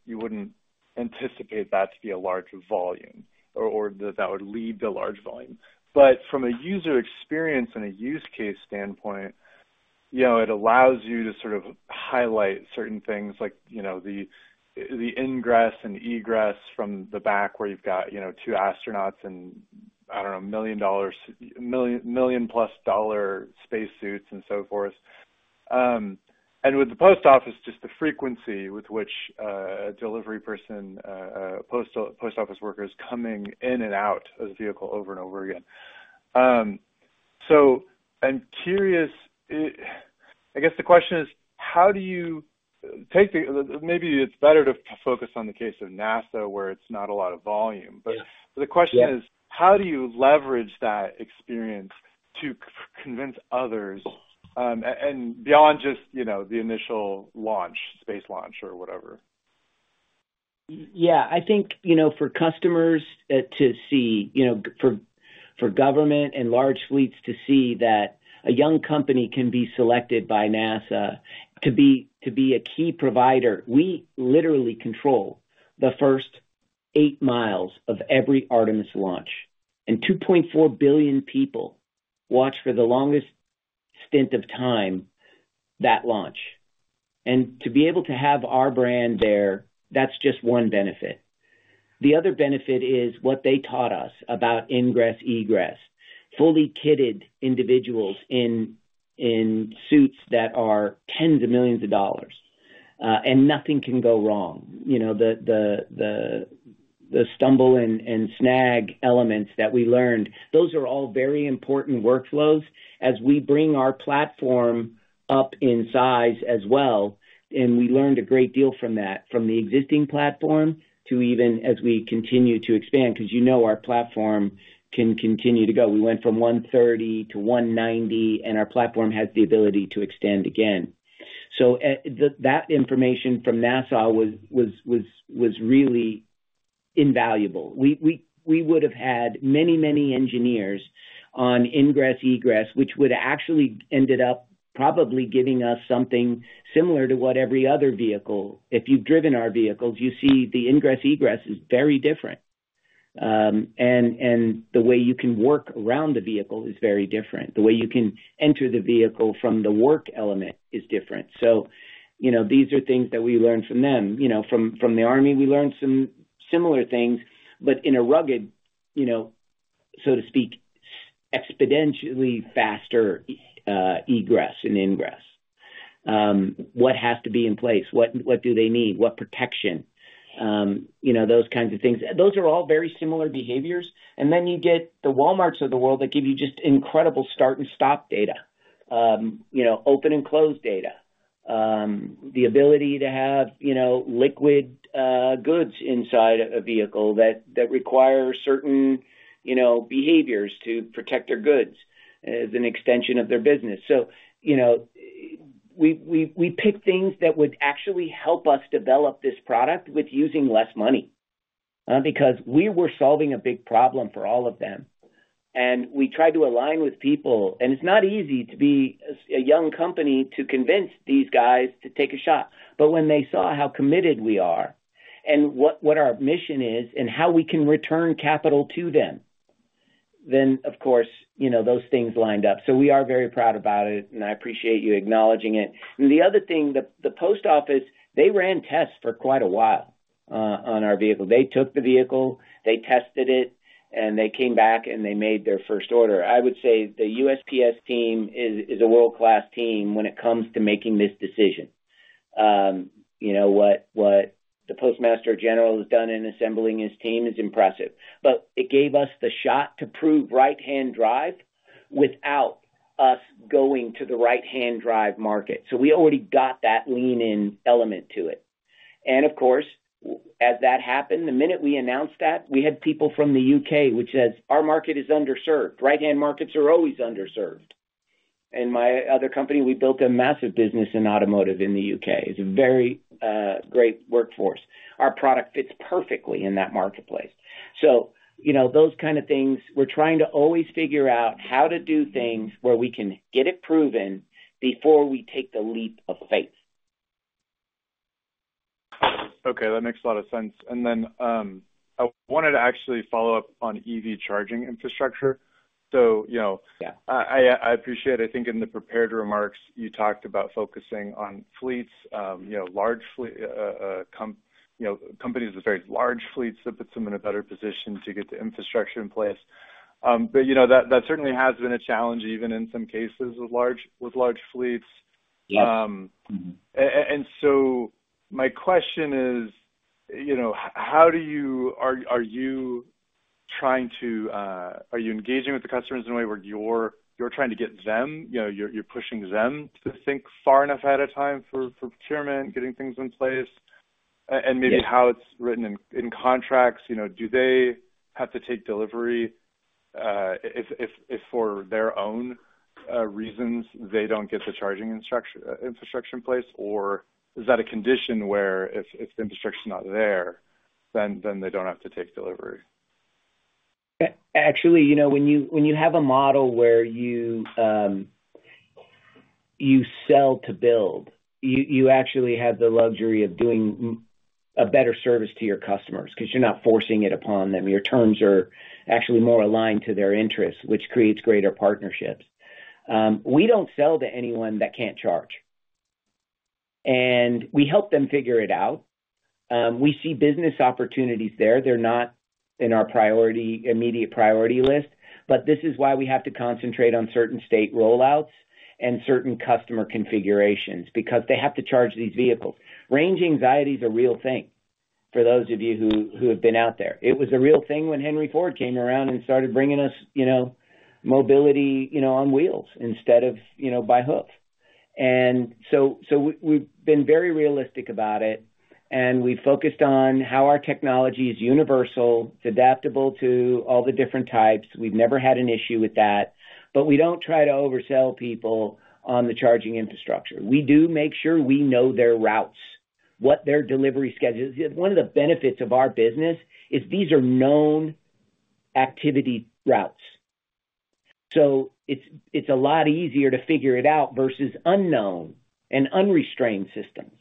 you wouldn't anticipate that to be a large volume or that that would lead to large volume. But from a user experience and a use case standpoint, you know, it allows you to sort of highlight certain things like, you know, the ingress and egress from the back, where you've got, you know, two astronauts and, I don't know, $1 million-plus dollar space suits and so forth. With the post office, just the frequency with which a delivery person, post office workers coming in and out of the vehicle over and over again. So I'm curious, I guess the question is: how do you take the... Maybe it's better to focus on the case of NASA, where it's not a lot of volume. Yes. But the question is: how do you leverage that experience to convince others, and beyond just, you know, the initial launch, space launch or whatever? Yeah, I think, you know, for customers, to see, you know, for, for government and large fleets to see that a young company can be selected by NASA to be, to be a key provider, we literally control the first eight miles of every Artemis launch, and 2.4 billion people watch, for the longest stint of time, that launch. And to be able to have our brand there, that's just one benefit. The other benefit is what they taught us about ingress, egress. Fully kitted individuals in, in suits that are $10s of millions, and nothing can go wrong. You know, the stumble and snag elements that we learned, those are all very important workflows as we bring our platform up in size as well, and we learned a great deal from that, from the existing platform to even as we continue to expand, because you know our platform can continue to go. We went from 130 to 190, and our platform has the ability to extend again. So, that information from NASA was really invaluable. We would have had many, many engineers on ingress, egress, which would have actually ended up probably giving us something similar to what every other vehicle... If you've driven our vehicles, you see the ingress, egress is very different. And the way you can work around the vehicle is very different. The way you can enter the vehicle from the work element is different. So, you know, these are things that we learned from them. You know, from the army, we learned some similar things, but in a rugged, you know, so to speak, exponentially faster, egress and ingress. What has to be in place? What, what do they need? What protection? You know, those kinds of things. Those are all very similar behaviors. And then you get the Walmarts of the world that give you just incredible start and stop data, you know, open and close data. The ability to have, you know, liquid, goods inside a vehicle that, that require certain, you know, behaviors to protect their goods as an extension of their business. So, you know, we pick things that would actually help us develop this product with using less money, because we were solving a big problem for all of them, and we tried to align with people. And it's not easy to be a young company, to convince these guys to take a shot. But when they saw how committed we are and what our mission is, and how we can return capital to them, then, of course, you know, those things lined up. So we are very proud about it, and I appreciate you acknowledging it. And the other thing, the post office, they ran tests for quite a while, on our vehicle. They took the vehicle, they tested it, and they came back, and they made their first order. I would say the USPS team is, is a world-class team when it comes to making this decision. You know, what, what the postmaster general has done in assembling his team is impressive, but it gave us the shot to prove right-hand drive without us going to the right-hand drive market. So we already got that lean in element to it. And of course, as that happened, the minute we announced that, we had people from the U.K., which says, "Our market is underserved." Right-hand markets are always underserved. In my other company, we built a massive business in automotive in the U.K. It's a very great workforce. Our product fits perfectly in that marketplace. So, you know, those kind of things, we're trying to always figure out how to do things where we can get it proven before we take the leap of faith. Okay, that makes a lot of sense. Then, I wanted to actually follow up on EV charging infrastructure. So, you know- Yeah. I appreciate. I think in the prepared remarks, you talked about focusing on fleets, you know, large fleets, you know, companies with very large fleets that puts them in a better position to get the infrastructure in place. But you know, that, that certainly has been a challenge, even in some cases with large, with large fleets. Yes. Mm-hmm. So my question is, you know, how do you... Are you trying to engage with the customers in a way where you're trying to get them, you know, you're pushing them to think far enough ahead of time for procurement, getting things in place? Yes. And maybe how it's written in contracts, you know, do they have to take delivery, if for their own reasons they don't get the charging infrastructure in place? Or is that a condition where if the infrastructure is not there, then they don't have to take delivery? Actually, you know, when you have a model where you sell to build, you actually have the luxury of doing a better service to your customers, 'cause you're not forcing it upon them. Your terms are actually more aligned to their interests, which creates greater partnerships. We don't sell to anyone that can't charge, and we help them figure it out. We see business opportunities there. They're not in our priority, immediate priority list, but this is why we have to concentrate on certain state rollouts and certain customer configurations, because they have to charge these vehicles. Range anxiety is a real thing, for those of you who have been out there. It was a real thing when Henry Ford came around and started bringing us, you know, mobility, you know, on wheels instead of, you know, by hoof. So, we've been very realistic about it, and we focused on how our technology is universal. It's adaptable to all the different types. We've never had an issue with that, but we don't try to oversell people on the charging infrastructure. We do make sure we know their routes, what their delivery schedule is. One of the benefits of our business is these are known activity routes, so it's a lot easier to figure it out versus unknown and unrestrained systems.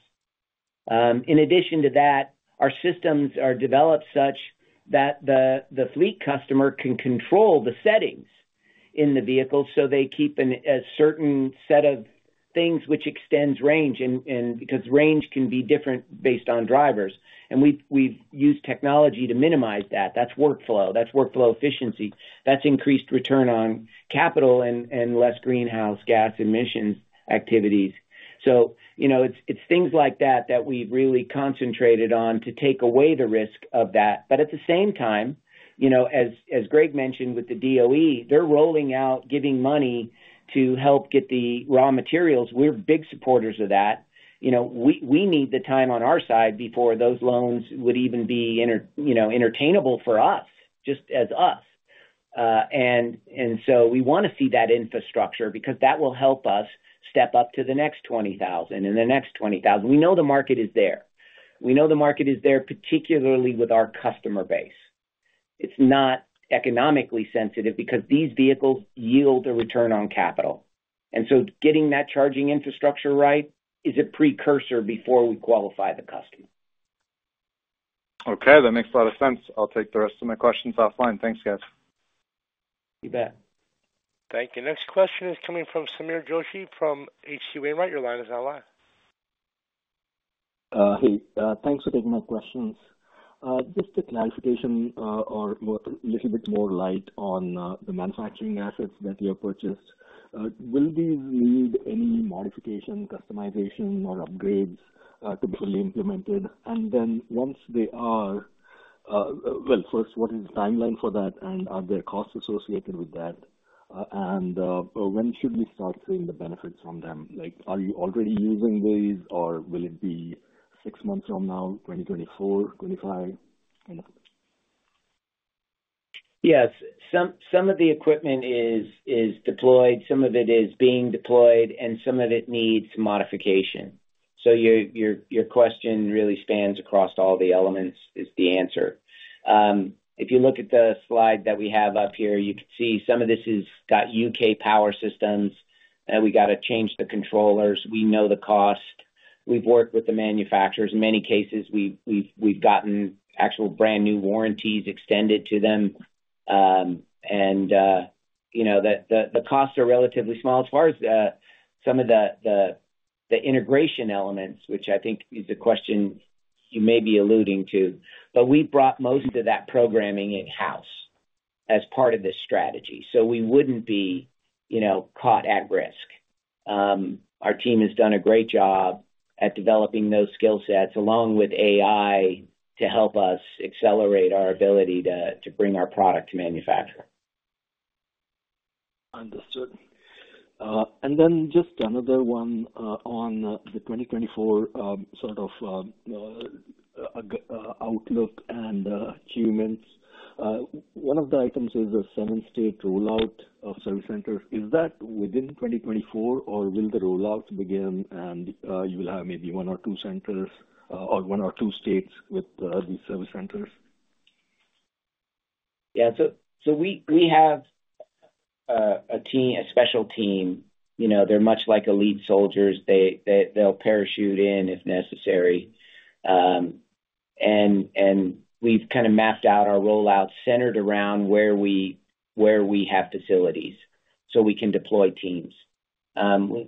In addition to that, our systems are developed such that the fleet customer can control the settings in the vehicle, so they keep a certain set of things which extends range, and because range can be different based on drivers. And we've used technology to minimize that. That's workflow, that's workflow efficiency, that's increased return on capital and less greenhouse gas emissions activities. So you know, it's things like that that we've really concentrated on to take away the risk of that. But at the same time, you know, as Greg mentioned, with the DOE, they're rolling out, giving money to help get the raw materials. We're big supporters of that. You know, we need the time on our side before those loans would even be entertainable for us, just as us. And so we wanna see that infrastructure because that will help us step up to the next 20,000 and the next 20,000. We know the market is there. We know the market is there, particularly with our customer base. It's not economically sensitive because these vehicles yield a return on capital, and so getting that charging infrastructure right is a precursor before we qualify the customer. Okay, that makes a lot of sense. I'll take the rest of my questions offline. Thanks, guys. You bet. Thank you. Next question is coming from Sameer Joshi from H.C. Wainwright. Your line is now live. Hey, thanks for taking my questions. Just a clarification, or more, little bit more light on, the manufacturing assets that you have purchased. Will they need any modification, customization, or upgrades, to be fully implemented? And then once they are... Well, first, what is the timeline for that? And are there costs associated with that? And when should we start seeing the benefits from them? Like, are you already using these, or will it be six months from now, 2024, 2025? Yes. Some of the equipment is deployed, some of it is being deployed, and some of it needs modification. So your question really spans across all the elements, is the answer. If you look at the slide that we have up here, you can see some of this has got U.K. power systems. We got to change the controllers. We know the cost. We've worked with the manufacturers. In many cases, we've gotten actual brand-new warranties extended to them. And, you know, the costs are relatively small. As far as some of the integration elements, which I think is the question you may be alluding to, but we brought most of that programming in-house as part of this strategy, so we wouldn't be, you know, caught at risk. Our team has done a great job at developing those skill sets, along with AI, to help us accelerate our ability to bring our product to market. Understood. And then just another one, on the 2024, sort of, outlook and achievements. One of the items is a seven-state rollout of service centers. Is that within 2024, or will the rollout begin and you will have maybe one or two centers, or one or two states with these service centers? Yeah. So we have a team, a special team. You know, they're much like elite soldiers. They'll parachute in if necessary. And we've kind of mapped out our rollout centered around where we have facilities, so we can deploy teams.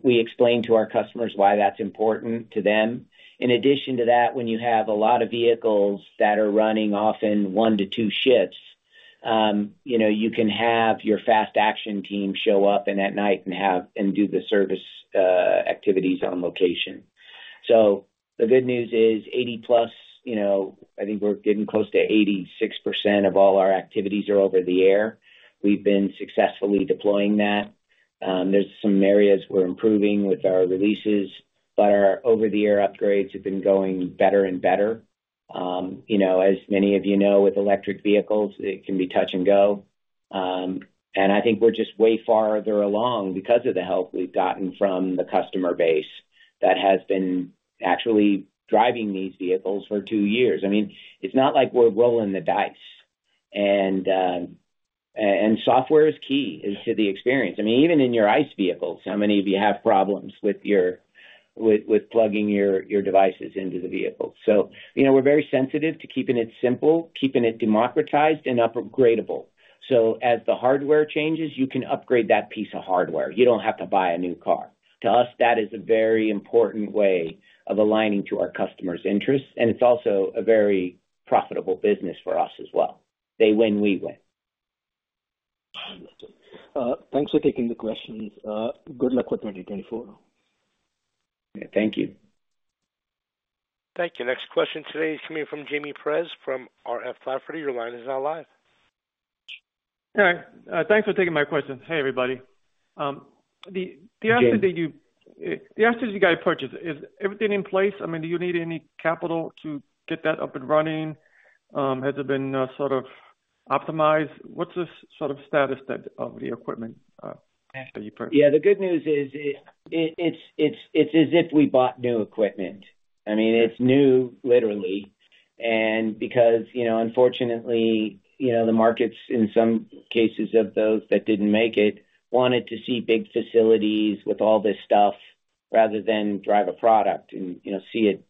We explain to our customers why that's important to them. In addition to that, when you have a lot of vehicles that are running often one to two shifts, you know, you can have your fast action team show up and at night and have and do the service activities on location. So the good news is 80+, you know, I think we're getting close to 86% of all our activities are over the air. We've been successfully deploying that. There's some areas we're improving with our releases, but our over-the-air upgrades have been going better and better. You know, as many of you know, with electric vehicles, it can be touch and go. And I think we're just way farther along because of the help we've gotten from the customer base that has been actually driving these vehicles for two years. I mean, it's not like we're rolling the dice. And software is key to the experience. I mean, even in your ICE vehicles, how many of you have problems with plugging your devices into the vehicle? So, you know, we're very sensitive to keeping it simple, keeping it democratized and upgradable. So as the hardware changes, you can upgrade that piece of hardware. You don't have to buy a new car. To us, that is a very important way of aligning to our customers' interests, and it's also a very profitable business for us as well. They win, we win. Thanks for taking the questions. Good luck with 2024. Thank you. Thank you. Next question today is coming from Jaime Perez from R.F. Lafferty. Your line is now live. All right. Thanks for taking my question. Hey, everybody. The assets that you- Hey, Jamie. The assets you guys purchased, is everything in place? I mean, do you need any capital to get that up and running? Has it been, sort of optimized? What's the sort of status that, of the equipment, that you purchased? Yeah, the good news is, it's as if we bought new equipment. I mean, it's new, literally, and because, you know, unfortunately, you know, the markets, in some cases of those that didn't make it, wanted to see big facilities with all this stuff rather than drive a product and, you know, see it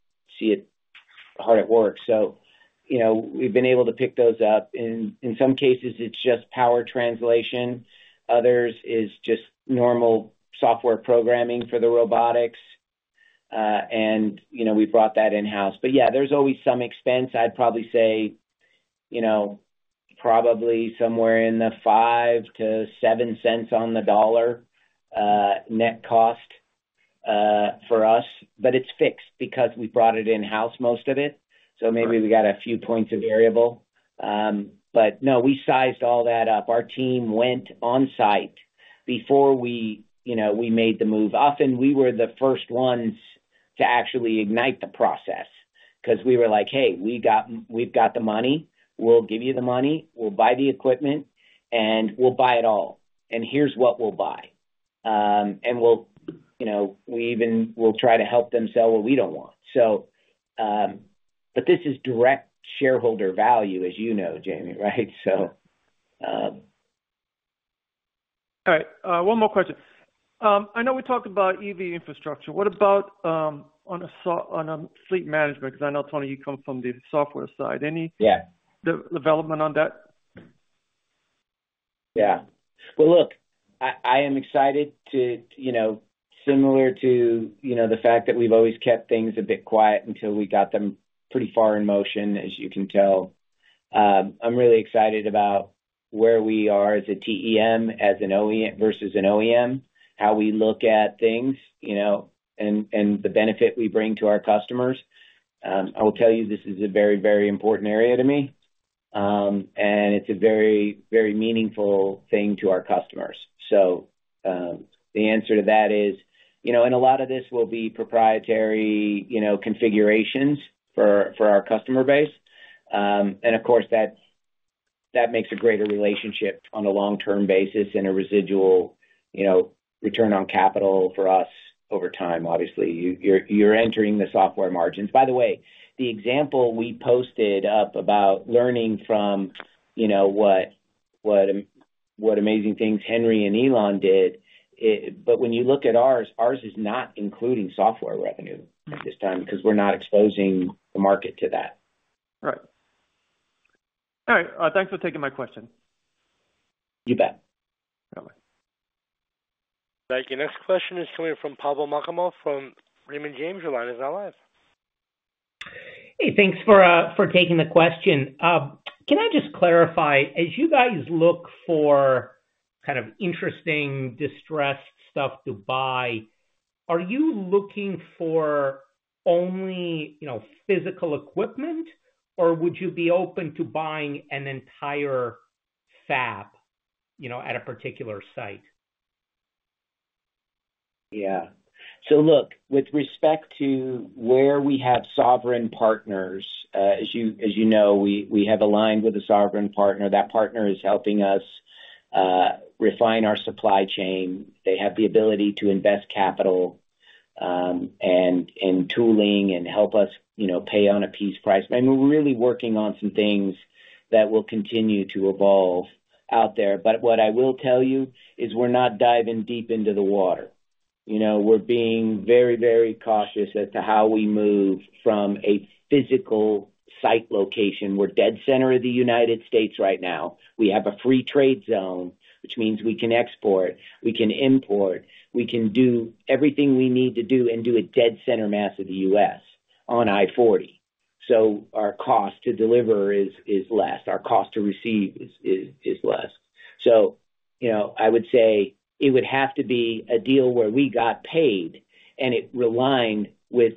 how it works. So, you know, we've been able to pick those up, and in some cases, it's just power translation. Others is just normal software programming for the robotics. And, you know, we brought that in-house. But yeah, there's always some expense. I'd probably say, you know, probably somewhere in the five to seven cents on the dollar, net cost, for us, but it's fixed because we brought it in-house, most of it. Right. So maybe we got a few points of variable. But no, we sized all that up. Our team went on-site before we, you know, we made the move. Often, we were the first ones to actually ignite the process because we were like: Hey, we got, we've got the money. We'll give you the money, we'll buy the equipment, and we'll buy it all, and here's what we'll buy. And we'll, you know, we even will try to help them sell what we don't want. So, but this is direct shareholder value, as you know, Jamie, right? So, All right, one more question. I know we talked about EV infrastructure. What about, on a fleet management? Because I know, Tony, you come from the software side. Any- Yeah. redevelopment on that? Yeah. Well, look, I, I am excited to, you know, similar to, you know, the fact that we've always kept things a bit quiet until we got them pretty far in motion, as you can tell. I'm really excited about where we are as a TEM, as an OE- versus an OEM, how we look at things, you know, and, and the benefit we bring to our customers. I will tell you, this is a very, very important area to me, and it's a very, very meaningful thing to our customers. So, the answer to that is, you know, and a lot of this will be proprietary, you know, configurations for, for our customer base. And of course, that, that makes a greater relationship on a long-term basis and a residual, you know, return on capital for us over time. Obviously, you're entering the software margins. By the way, the example we posted up about learning from, you know, what amazing things Henry and Elon did, it. But when you look at ours, ours is not including software revenue at this time because we're not exposing the market to that. Right. All right, thanks for taking my question. You bet. All right. Thank you. Next question is coming from Pavel Molchanov from Raymond James. Your line is now live. Hey, thanks for taking the question. Can I just clarify, as you guys look for kind of interesting, distressed stuff to buy, are you looking for only, you know, physical equipment, or would you be open to buying an entire fab, you know, at a particular site? Yeah. So look, with respect to where we have sovereign partners, as you know, we have aligned with a sovereign partner. That partner is helping us refine our supply chain. They have the ability to invest capital, and tooling and help us, you know, pay on a piece price. And we're really working on some things that will continue to evolve out there. But what I will tell you is we're not diving deep into the water. You know, we're being very, very cautious as to how we move from a physical site location. We're dead center of the United States right now. We have a free trade zone, which means we can export, we can import, we can do everything we need to do and do a dead center mass of the U.S. on 1-40. So our cost to deliver is less, our cost to receive is less. So, you know, I would say it would have to be a deal where we got paid and it realigned with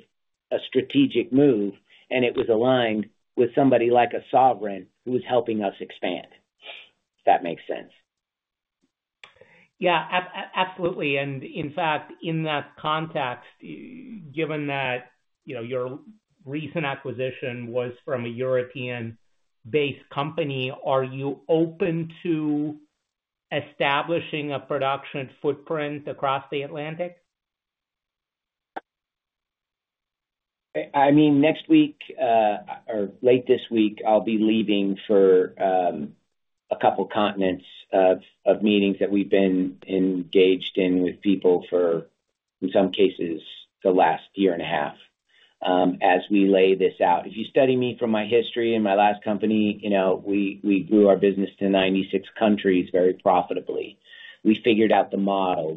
a strategic move, and it was aligned with somebody like a sovereign who was helping us expand, if that makes sense. Yeah, absolutely. And in fact, in that context, given that, you know, your recent acquisition was from a European-based company, are you open to establishing a production footprint across the Atlantic? I mean, next week or late this week, I'll be leaving for a couple continents of meetings that we've been engaged in with people for, in some cases, the last year and a half, as we lay this out. If you study me from my history and my last company, you know, we grew our business to 96 countries very profitably. We figured out the model.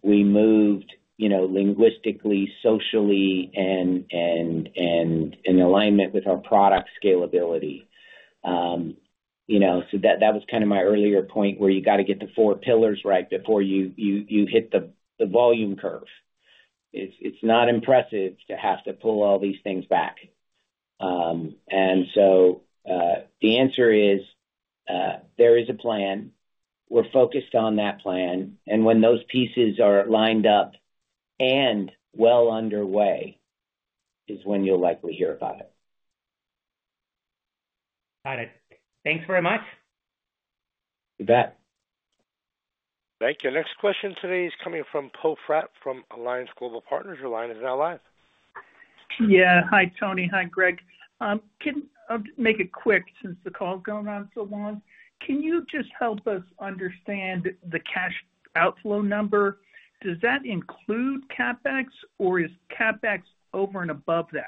We moved, you know, linguistically, socially, and in alignment with our product scalability. You know, so that was kind of my earlier point, where you got to get the four pillars right before you hit the volume curve. It's not impressive to have to pull all these things back. And so, the answer is, there is a plan. We're focused on that plan, and when those pieces are lined up and well underway, is when you'll likely hear about it. Got it. Thanks very much. You bet. Thank you. Next question today is coming from Poe Fratt from Alliance Global Partners. Your line is now live. Yeah. Hi, Tony. Hi, Greg. I'll make it quick since the call is going on so long. Can you just help us understand the cash outflow number? Does that include CapEx or is CapEx over and above that?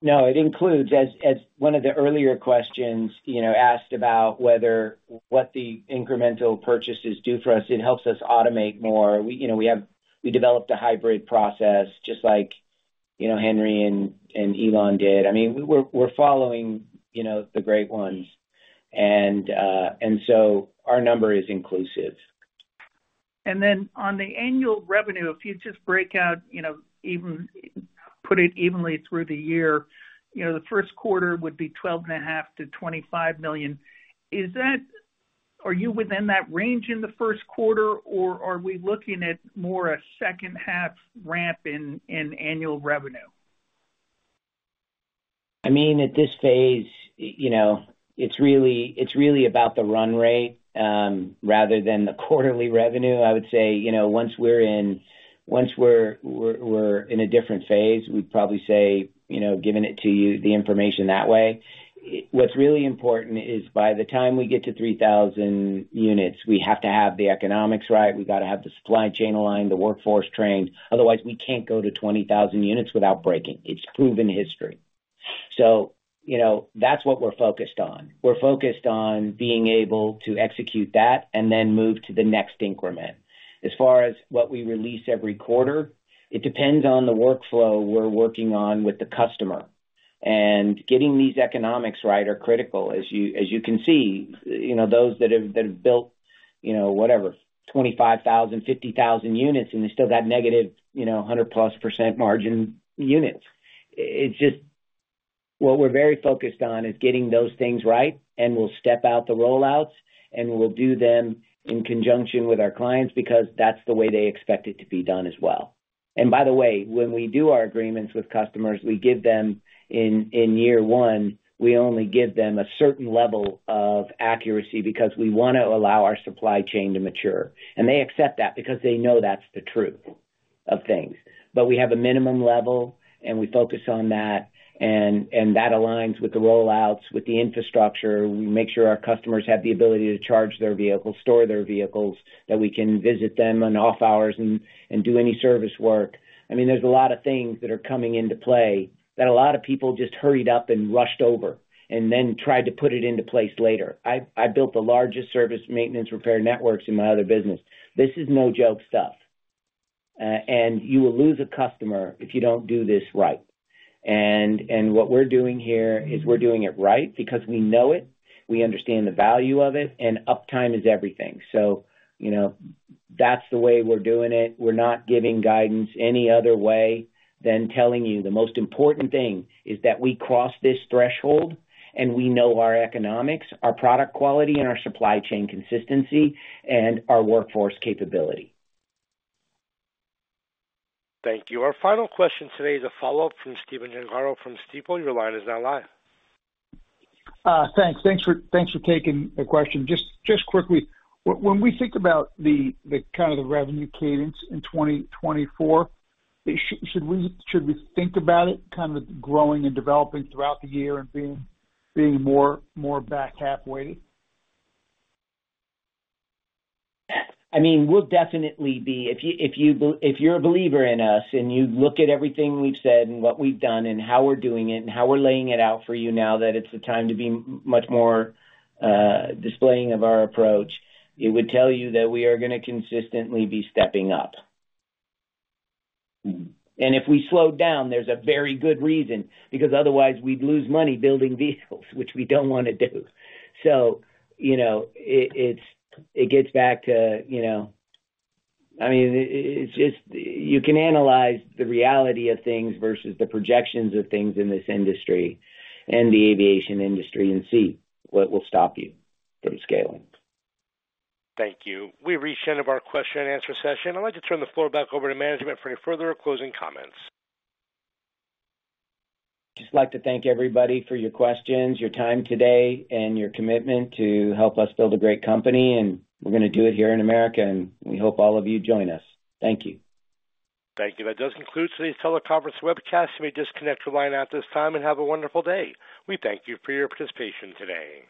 No, it includes, as one of the earlier questions, you know, asked about whether—what the incremental purchases do for us, it helps us automate more. We, you know, developed a hybrid process, just like, you know, Henry and Elon did. I mean, we're following, you know, the great ones. And so our number is inclusive. And then on the annual revenue, if you just break out, you know, even- put it evenly through the year, you know, the first quarter would be $12.5 million-$25 million. Is that... Are you within that range in the first quarter, or are we looking at more a second half ramp in, in annual revenue? I mean, at this phase, you know, it's really, it's really about the run rate, rather than the quarterly revenue. I would say, you know, once we're in a different phase, we'd probably say, you know, giving it to you, the information that way. What's really important is by the time we get to 3,000 units, we have to have the economics right, we've got to have the supply chain aligned, the workforce trained. Otherwise, we can't go to 20,000 units without breaking. It's proven history. So, you know, that's what we're focused on. We're focused on being able to execute that and then move to the next increment. As far as what we release every quarter, it depends on the workflow we're working on with the customer. And getting these economics right are critical. As you can see, you know, those that have built, you know, whatever, 25,000, 50,000 units, and they still got negative, you know, 100+% margin units. It's just... What we're very focused on is getting those things right, and we'll step out the rollouts, and we'll do them in conjunction with our clients, because that's the way they expect it to be done as well. By the way, when we do our agreements with customers, we give them in year one, we only give them a certain level of accuracy because we want to allow our supply chain to mature. And they accept that because they know that's the truth of things. But we have a minimum level, and we focus on that, and that aligns with the rollouts, with the infrastructure. We make sure our customers have the ability to charge their vehicles, store their vehicles, that we can visit them on off hours and do any service work. I mean, there's a lot of things that are coming into play that a lot of people just hurried up and rushed over and then tried to put it into place later. I built the largest service maintenance repair networks in my other business. This is no joke stuff, and you will lose a customer if you don't do this right. And what we're doing here is we're doing it right because we know it, we understand the value of it, and uptime is everything. So, you know, that's the way we're doing it. We're not giving guidance any other way than telling you the most important thing is that we cross this threshold, and we know our economics, our product quality, and our supply chain consistency, and our workforce capability. Thank you. Our final question today is a follow-up from Steven Gianvario from Stifel. Your line is now live. Thanks. Thanks for taking the question. Just quickly, when we think about the kind of the revenue cadence in 2024, should we think about it kind of growing and developing throughout the year and being more back halfway? I mean, we'll definitely be... If you're a believer in us and you look at everything we've said and what we've done, and how we're doing it, and how we're laying it out for you now, that it's the time to be much more displaying of our approach, it would tell you that we are gonna consistently be stepping up. Mm-hmm. If we slow down, there's a very good reason, because otherwise we'd lose money building vehicles, which we don't want to do. So, you know, it gets back to, you know... I mean, it's just you can analyze the reality of things versus the projections of things in this industry and the aviation industry and see what will stop you from scaling. Thank you. We've reached the end of our question and answer session. I'd like to turn the floor back over to management for any further closing comments. Just like to thank everybody for your questions, your time today, and your commitment to help us build a great company, and we're gonna do it here in America, and we hope all of you join us. Thank you. Thank you. That does conclude today's teleconference webcast. You may disconnect your line at this time and have a wonderful day. We thank you for your participation today.